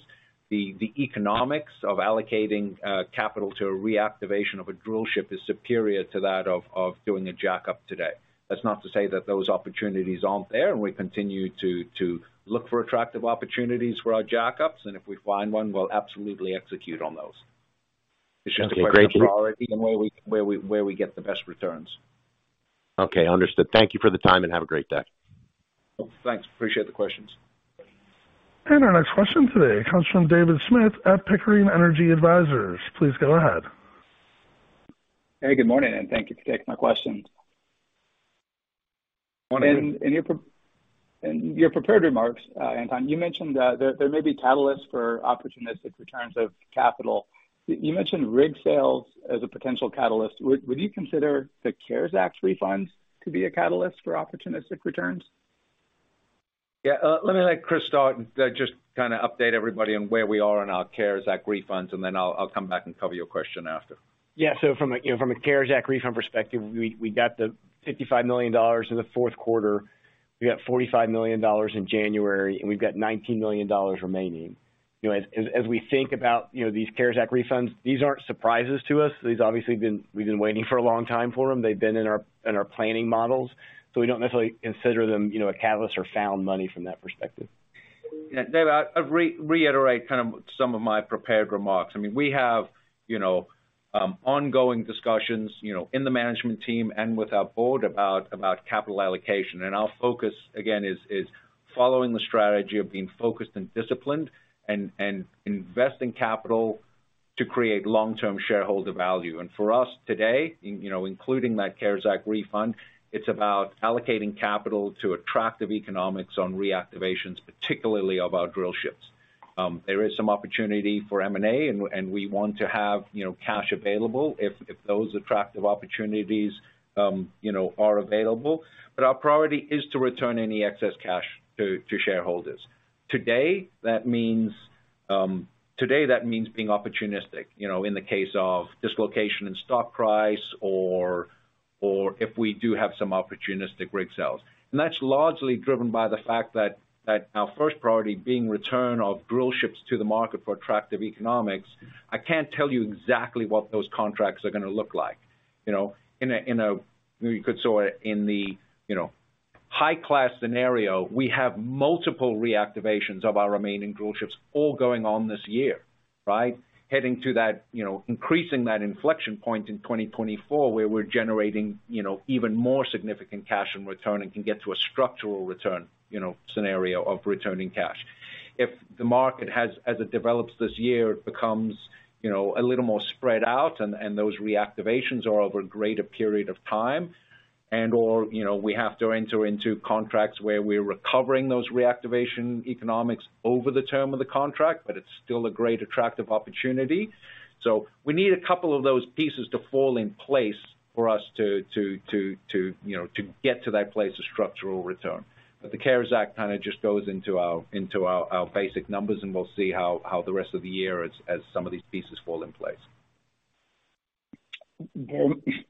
the economics of allocating capital to a reactivation of a drill ship is superior to that of doing a jackup today. That's not to say that those opportunities aren't there, and we continue to look for attractive opportunities for our jackups, and if we find one, we'll absolutely execute on those. Okay, great. It's just a question of priority and where we get the best returns. Okay, understood. Thank you for the time, and have a great day. Thanks. Appreciate the questions. Our next question today comes from David Smith at Pickering Energy Partners. Please go ahead. Hey, good morning, thank you for taking my questions. Morning. In your prepared remarks, Anton, you mentioned that there may be catalysts for opportunistic returns of capital. You mentioned rig sales as a potential catalyst. Would you consider the CARES Act refunds to be a catalyst for opportunistic returns? Yeah. Let me let Chris start and just kinda update everybody on where we are on our CARES Act refunds, and then I'll come back and cover your question after. Yeah. From a, you know, from a CARES Act refund perspective, we got the $55 million in the Q4, we got $45 million in January, We've got $19 million remaining. You know, as we think about, you know, these CARES Act refunds, these aren't surprises to us. These obviously been. We've been waiting for a long time for them. They've been in our planning models. We don't necessarily consider them, you know, a catalyst or found money from that perspective. Yeah. Dave, I'll reiterate kind of some of my prepared remarks. I mean, we have, you know, ongoing discussions, you know, in the management team and with our board about capital allocation. Our focus, again, is following the strategy of being focused and disciplined and investing capital to create long-term shareholder value. For us today, you know, including that CARES Act refund, it's about allocating capital to attractive economics on reactivations, particularly of our drillships. There is some opportunity for M&A and we want to have, you know, cash available if those attractive opportunities, you know, are available. Our priority is to return any excess cash to shareholders. Today that means today that means being opportunistic, you know, in the case of dislocation in stock price or if we do have some opportunistic rig sales. That's largely driven by the fact that our first priority being return of drillships to the market for attractive economics, I can't tell you exactly what those contracts are gonna look like. You know, you could saw it in the, you know, high class scenario. We have multiple reactivations of our remaining drillships all going on this year, right? Heading to that, you know, increasing that inflection point in 2024 where we're generating, you know, even more significant cash and return and can get to a structural return, you know, scenario of returning cash. If the market has, as it develops this year, it becomes, you know, a little more spread out and those reactivations are over a greater period of time and/or, you know, we have to enter into contracts where we're recovering those reactivation economics over the term of the contract, but it's still a great attractive opportunity. We need a couple of those pieces to fall in place for us to, you know, to get to that place of structural return. The CARES Act kinda just goes into our basic numbers, and we'll see how the rest of the year as some of these pieces fall in place.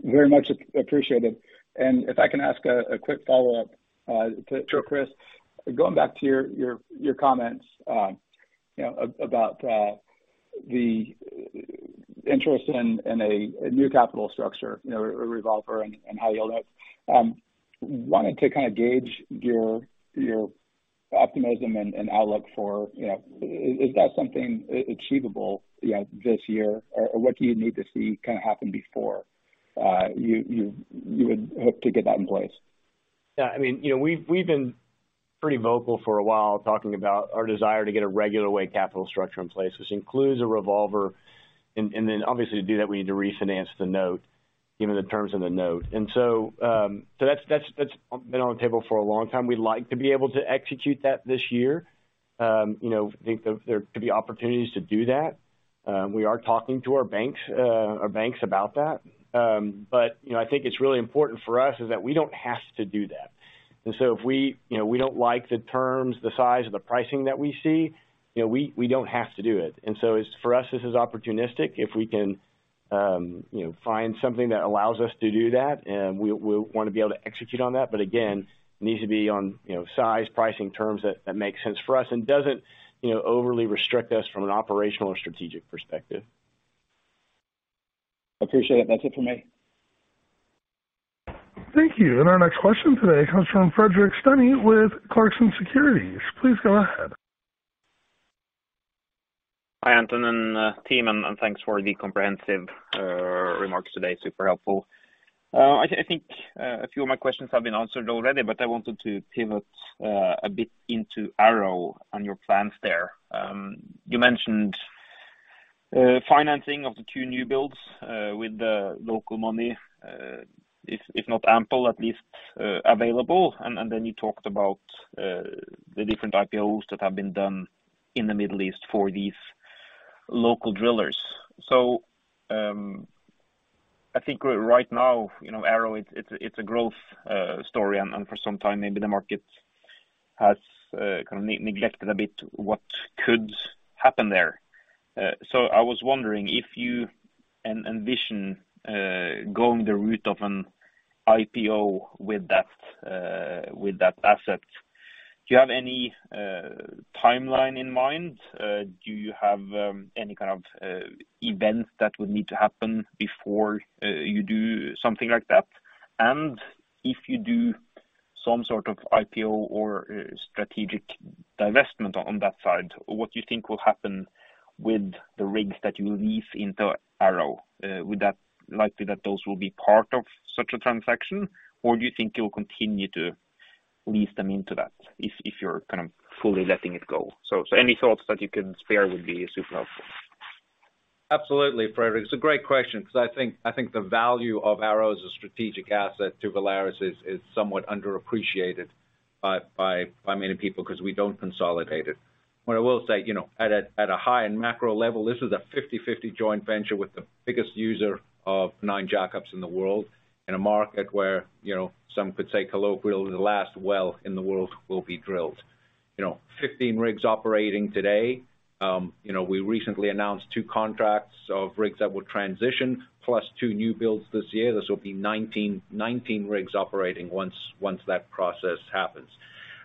Very much appreciated. If I can ask a quick follow-up. Sure. Chris, going back to your comments, you know, about the interest in a new capital structure, you know, a revolver and high yield notes. Wanted to kinda gauge your optimism and outlook for, you know? Is that something achievable, you know, this year? Or what do you need to see kinda happen before you would hope to get that in place? I mean, you know, we've been pretty vocal for a while talking about our desire to get a regular way capital structure in place, which includes a revolver. Obviously to do that, we need to refinance the note, given the terms of the note. That's been on the table for a long time. We'd like to be able to execute that this year. You know, think that there could be opportunities to do that. We are talking to our banks about that. You know, I think it's really important for us is that we don't have to do that. If we, you know, we don't like the terms, the size, or the pricing that we see, you know, we don't have to do it. It's, for us, this is opportunistic. If we can, you know, find something that allows us to do that, we wanna be able to execute on that. Again, needs to be on, you know, size, pricing terms that make sense for us and doesn't, you know, overly restrict us from an operational or strategic perspective. Appreciate it. That's it for me. Thank you. Our next question today comes from Fredrik Stene with Clarksons Securities. Please go ahead. Hi, Anton Dibowitz and team, thanks for the comprehensive remarks today. Super helpful. I think a few of my questions have been answered already, but I wanted to pivot a bit into ARO and your plans there. You mentioned financing of the Two new builds with the local money, if not ample, at least available. Then you talked about the different IPOs that have been done in the Middle East for these local drillers. I think right now, you know, ARO, it's a growth story. For some time maybe the market has kind of neglected a bit what could happen there. I was wondering if you envision going the route of an IPO with that asset. Do you have any timeline in mind? Do you have any kind of events that would need to happen before you do something like that? If you do some sort of IPO or strategic divestment on that side, what do you think will happen with the rigs that you leave into ARO? Would that likely that those will be part of such a transaction, or do you think you'll continue to lead them into that if you're kind of fully letting it go. Any thoughts that you can spare would be super helpful. Absolutely, Fredrik. It's a great question because I think the value of ARO as a strategic asset to Valaris is somewhat underappreciated by many people because we don't consolidate it. What I will say, you know, at a high-end macro level, this is a 50/50 joint venture with the biggest user of nine jackups in the world in a market where, you know, some could say colloquially, the last well in the world will be drilled. You know, 15 rigs operating today. You know, we recently announced two contracts of rigs that would transition, plus two newbuilds this year. This will be 19 rigs operating once that process happens.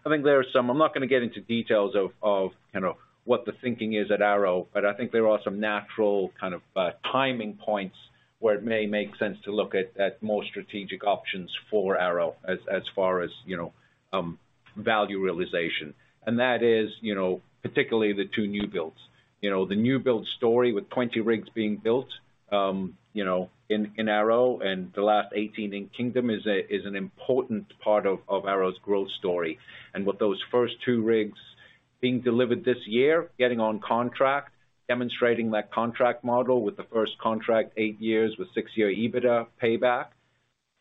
I think there are some... I'm not gonna get into details of, you know, what the thinking is at ARO Drilling, but I think there are some natural kind of timing points where it may make sense to look at more strategic options for ARO Drilling as far as, you know, value realization. That is, you know, particularly the Two new builds. The new build story with 20 rigs being built, you know, in ARO Drilling and the last 18 in Kingdom is an important part of ARO Drilling's growth story. With those first 2 rigs being delivered this year, getting on contract, demonstrating that contract model with the first contract 8 years with 6-year EBITDA payback,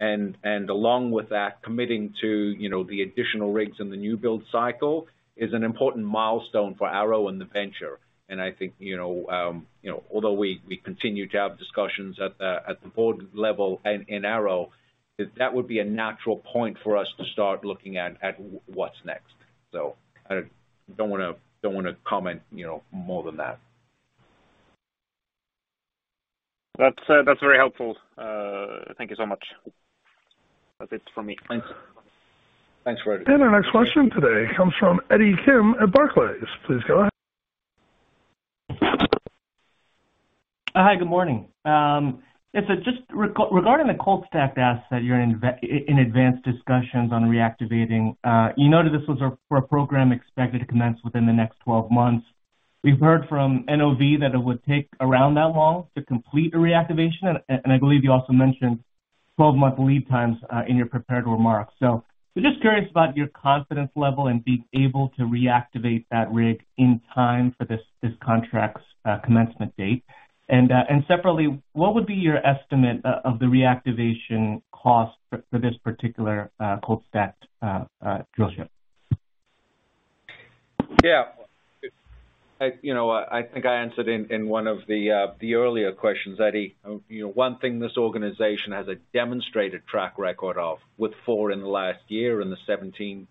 and along with that, committing to, you know, the additional rigs in the new build cycle is an important milestone for ARO Drilling and the venture. I think, you know, you know, although we continue to have discussions at the, at the board level and in ARO, that would be a natural point for us to start looking at what's next. I don't wanna, don't wanna comment, you know, more than that. That's very helpful. Thank you so much. That's it from me. Thanks. Thanks, Fredrik. Our next question today comes from Eddie Kim at Barclays. Please go ahead. Hi, good morning. It's just regarding the cold stacked asset you're in advanced discussions on reactivating, you noted this was for a program expected to commence within the next 12 months. We've heard from NOV that it would take around that long to complete a reactivation, and I believe you also mentioned 12-month lead times in your prepared remarks. Just curious about your confidence level in being able to reactivate that rig in time for this contract's commencement date. Separately, what would be your estimate of the reactivation cost for this particular cold stacked drillship? Yeah. You know, I think I answered in one of the earlier questions, Eddie. You know, one thing this organization has a demonstrated track record of with 4 in the last year and the 17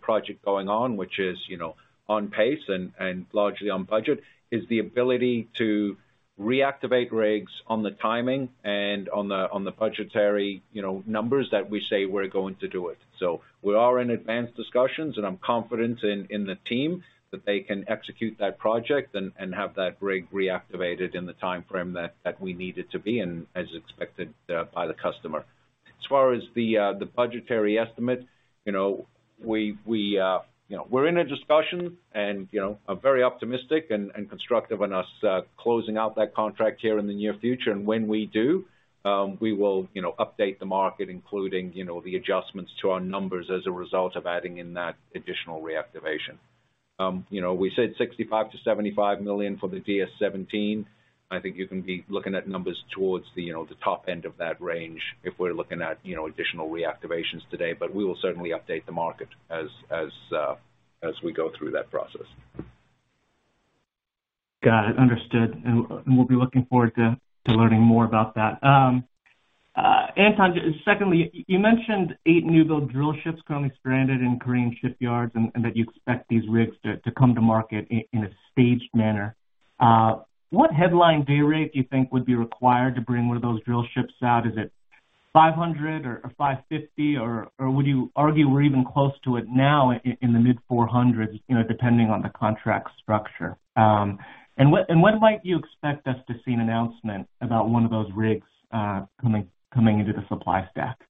project going on, which is, you know, on pace and largely on budget, is the ability to reactivate rigs on the timing and on the budgetary, you know, numbers that we say we're going to do it. We are in advanced discussions, and I'm confident in the team that they can execute that project and have that rig reactivated in the timeframe that we need it to be and as expected by the customer. As far as the budgetary estimate, you know, we, you know, we're in a discussion and, you know, I'm very optimistic and constructive on us, closing out that contract here in the near future. When we do, we will, you know, update the market, including, you know, the adjustments to our numbers as a result of adding in that additional reactivation. You know, we said $65 million-$75 million for the VALARIS DS-17. I think you can be looking at numbers towards the, you know, the top end of that range if we're looking at, you know, additional reactivations today. We will certainly update the market as, as we go through that process. Got it. Understood. We'll be looking forward to learning more about that. Anton, secondly, you mentioned eight newbuild drillships currently stranded in Korean shipyards and that you expect these rigs to come to market in a staged manner. What headline day rate do you think would be required to bring one of those drillships out? Is it $500 or $550? Or would you argue we're even close to it now in the mid $400s, you know, depending on the contract structure? What, and when might you expect us to see an announcement about one of those rigs coming into the supply stack?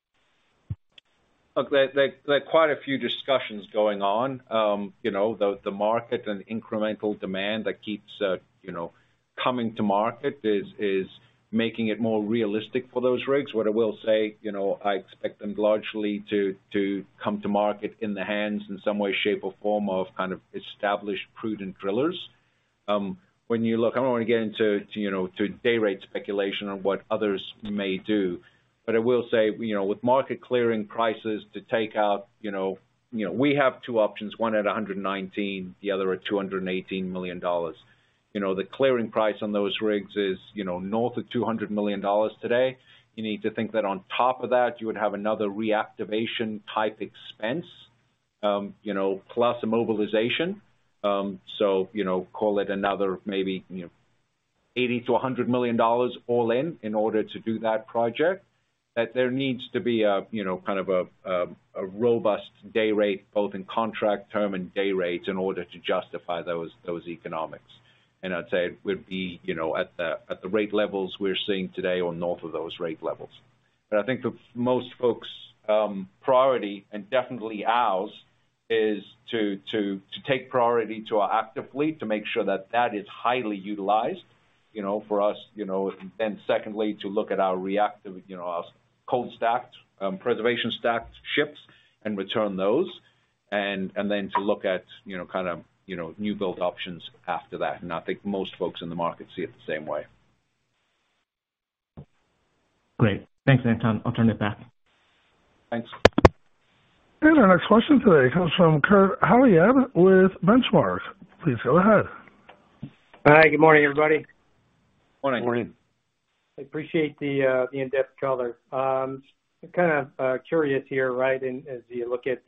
Look, there are quite a few discussions going on. You know, the market and incremental demand that keeps, you know, coming to market is making it more realistic for those rigs. What I will say, you know, I expect them largely to come to market in the hands in some way, shape, or form of kind of established prudent drillers. When you look, I don't wanna get into, you know, to day rate speculation on what others may do, but I will say, you know, with market clearing prices to take out, you know, we have two options, one at $119, the other at $218 million. You know, the clearing price on those rigs is, you know, north of $200 million today. You need to think that on top of that, you would have another reactivation type expense, you know, plus immobilization. Call it another maybe, you know, $80 million-$100 million all in in order to do that project, that there needs to be a, you know, kind of a robust day rate, both in contract term and day rate in order to justify those economics. I'd say it would be, you know, at the, at the rate levels we're seeing today or north of those rate levels. I think the most folks priority and definitely ours is to take priority to our active fleet to make sure that that is highly utilized, you know, for us, you know. Secondly, to look at our reactive, you know, our cold stacked, preservation stacked ships and return those. Then to look at, you know, kind of, you know, new build options after that. I think most folks in the market see it the same way. Great. Thanks, Anton. I'll turn it back. Thanks. Our next question today comes from Kurt Hallead with Benchmark. Please go ahead. Hi. Good morning, everybody. Morning. Morning. I appreciate the in-depth color. Kind of curious here, right? As you look at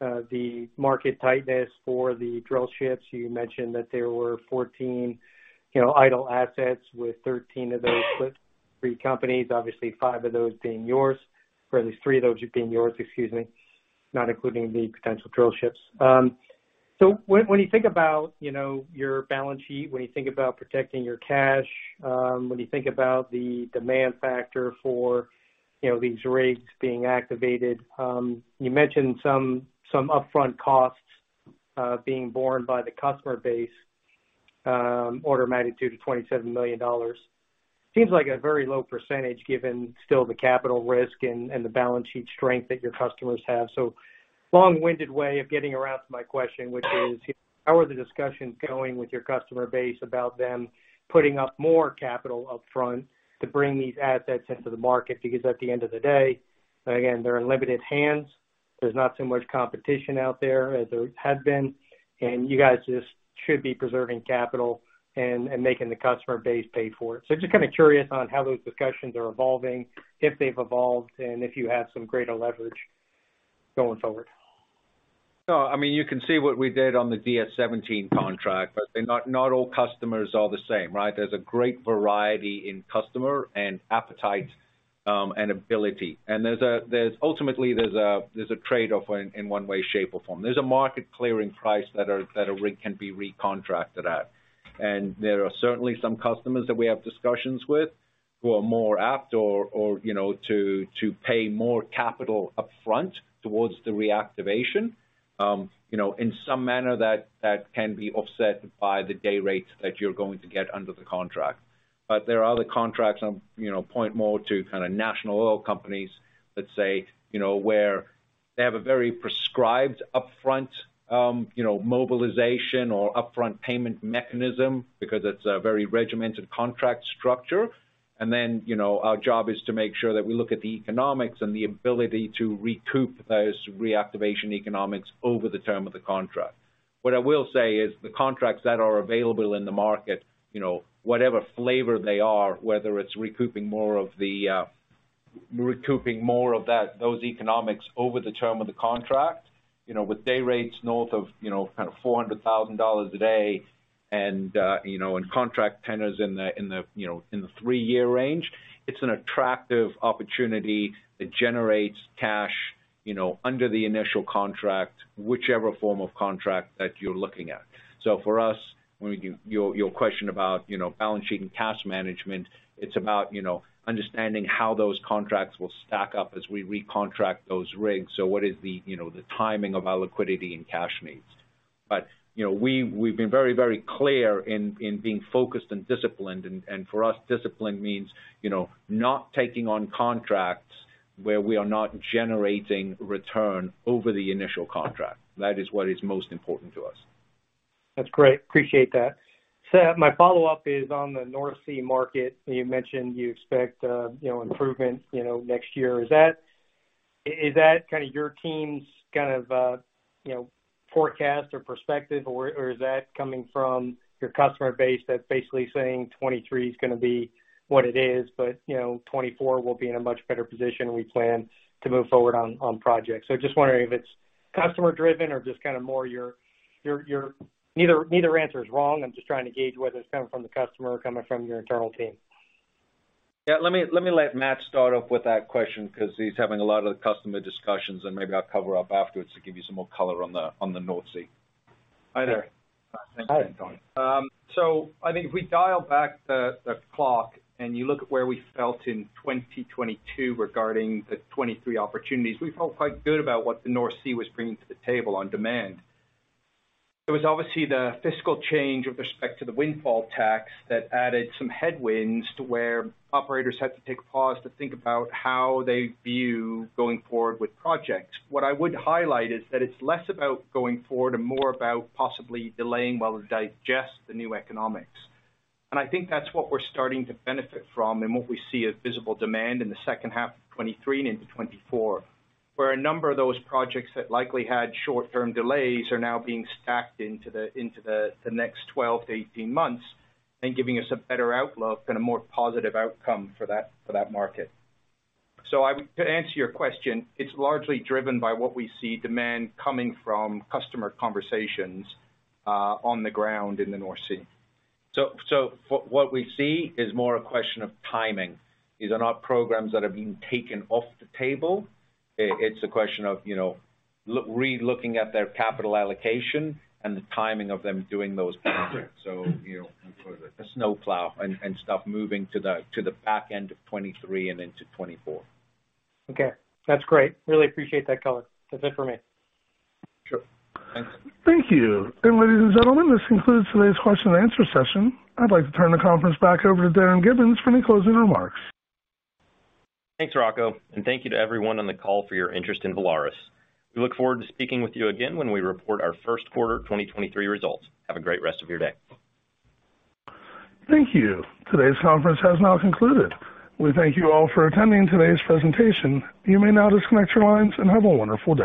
the market tightness for the drill ships, you mentioned that there were 14, you know, idle assets with 13 of those with Three companies. Obviously, Five of those being yours. Or at least Three of those being yours, excuse me, not including the potential drill ships. When, when you think about, you know, your balance sheet, when you think about protecting your cash, when you think about the demand factor for, you know, these rigs being activated, you mentioned some upfront costs being borne by the customer base, order of magnitude of $27 million. Seems like a very low percentage given still the capital risk and the balance sheet strength that your customers have. Long-winded way of getting around to my question, which is, how are the discussions going with your customer base about them putting up more capital up front to bring these assets into the market? Because at the end of the day, again, they're in limited hands. There's not so much competition out there as there had been. And you guys just should be preserving capital and making the customer base pay for it. Just kind of curious on how those discussions are evolving, if they've evolved, and if you have some greater leverage going forward? No, I mean, you can see what we did on the VALARIS DS-17 contract, but they're not all customers are the same, right? There's a great variety in customer and appetite and ability. Ultimately, there's a trade-off in one way, shape, or form. There's a market clearing price that a rig can be recontracted at. There are certainly some customers that we have discussions with who are more apt or, you know, to pay more capital upfront towards the reactivation, you know, in some manner that can be offset by the day rates that you're going to get under the contract. There are other contracts on, you know, point more to kinda national oil companies, let's say, you know, where they have a very prescribed upfront, you know, mobilization or upfront payment mechanism because it's a very regimented contract structure. Then, you know, our job is to make sure that we look at the economics and the ability to recoup those reactivation economics over the term of the contract. What I will say is the contracts that are available in the market, you know, whatever flavor they are, whether it's recouping more of that, those economics over the term of the contract, you know, with day rates north of, you know, kind of $400,000 a day and, you know, and contract tenors in the three-year range, it's an attractive opportunity that generates cash, you know, under the initial contract, whichever form of contract that you're looking at. For us, when we do your question about, you know, balance sheet and cash management, it's about, you know, understanding how those contracts will stack up as we recontract those rigs. What is the, you know, the timing of our liquidity and cash needs. You know, we've been very clear in being focused and disciplined and for us, discipline means, you know, not taking on contracts where we are not generating return over the initial contract. That is what is most important to us. That's great. Appreciate that. My follow-up is on the North Sea market. You mentioned you expect, you know, improvement, you know, next year. Is that kind of your team's kind of, you know, forecast or perspective or is that coming from your customer base that's basically saying '2023 is gonna be what it is, but, you know, 2024, we'll be in a much better position, we plan to move forward on projects'? Just wondering if it's customer driven or just kind of more your? Neither answer is wrong. I'm just trying to gauge whether it's coming from the customer or coming from your internal team. Yeah. Let me let Matt start off with that question 'cause he's having a lot of the customer discussions. Maybe I'll cover up afterwards to give you some more color on the, on the North Sea. Hi there. Hi. Thanks, Anton. I think if we dial back the clock and you look at where we felt in 2022 regarding the 23 opportunities, we felt quite good about what the North Sea was bringing to the table on demand. There was obviously the fiscal change with respect to the windfall tax that added some headwinds to where operators had to take a pause to think about how they view going forward with projects. What I would highlight is that it's less about going forward and more about possibly delaying while they digest the new economics. I think that's what we're starting to benefit from and what we see as visible demand in the second half of 2023 and into 2024, where a number of those projects that likely had short-term delays are now being stacked into the next 12-18 months and giving us a better outlook and a more positive outcome for that market. I would, to answer your question, it's largely driven by what we see demand coming from customer conversations on the ground in the North Sea. What we see is more a question of timing. These are not programs that have been taken off the table. It's a question of, you know, relooking at their capital allocation and the timing of them doing those projects. You know, the snowplow and stuff moving to the back end of 2023 and into 2024. Okay, that's great. Really appreciate that color. That's it for me. Sure. Thanks. Thank you. Ladies and gentlemen, this concludes today's question and answer session. I'd like to turn the conference back over to Darin Gibbins for any closing remarks. Thanks, Rocco, and thank you to everyone on the call for your interest in Valaris. We look forward to speaking with you again when we report our Q1 2023 results. Have a great rest of your day. Thank you. Today's conference has now concluded. We thank you all for attending today's presentation. You may now disconnect your lines and have a wonderful day.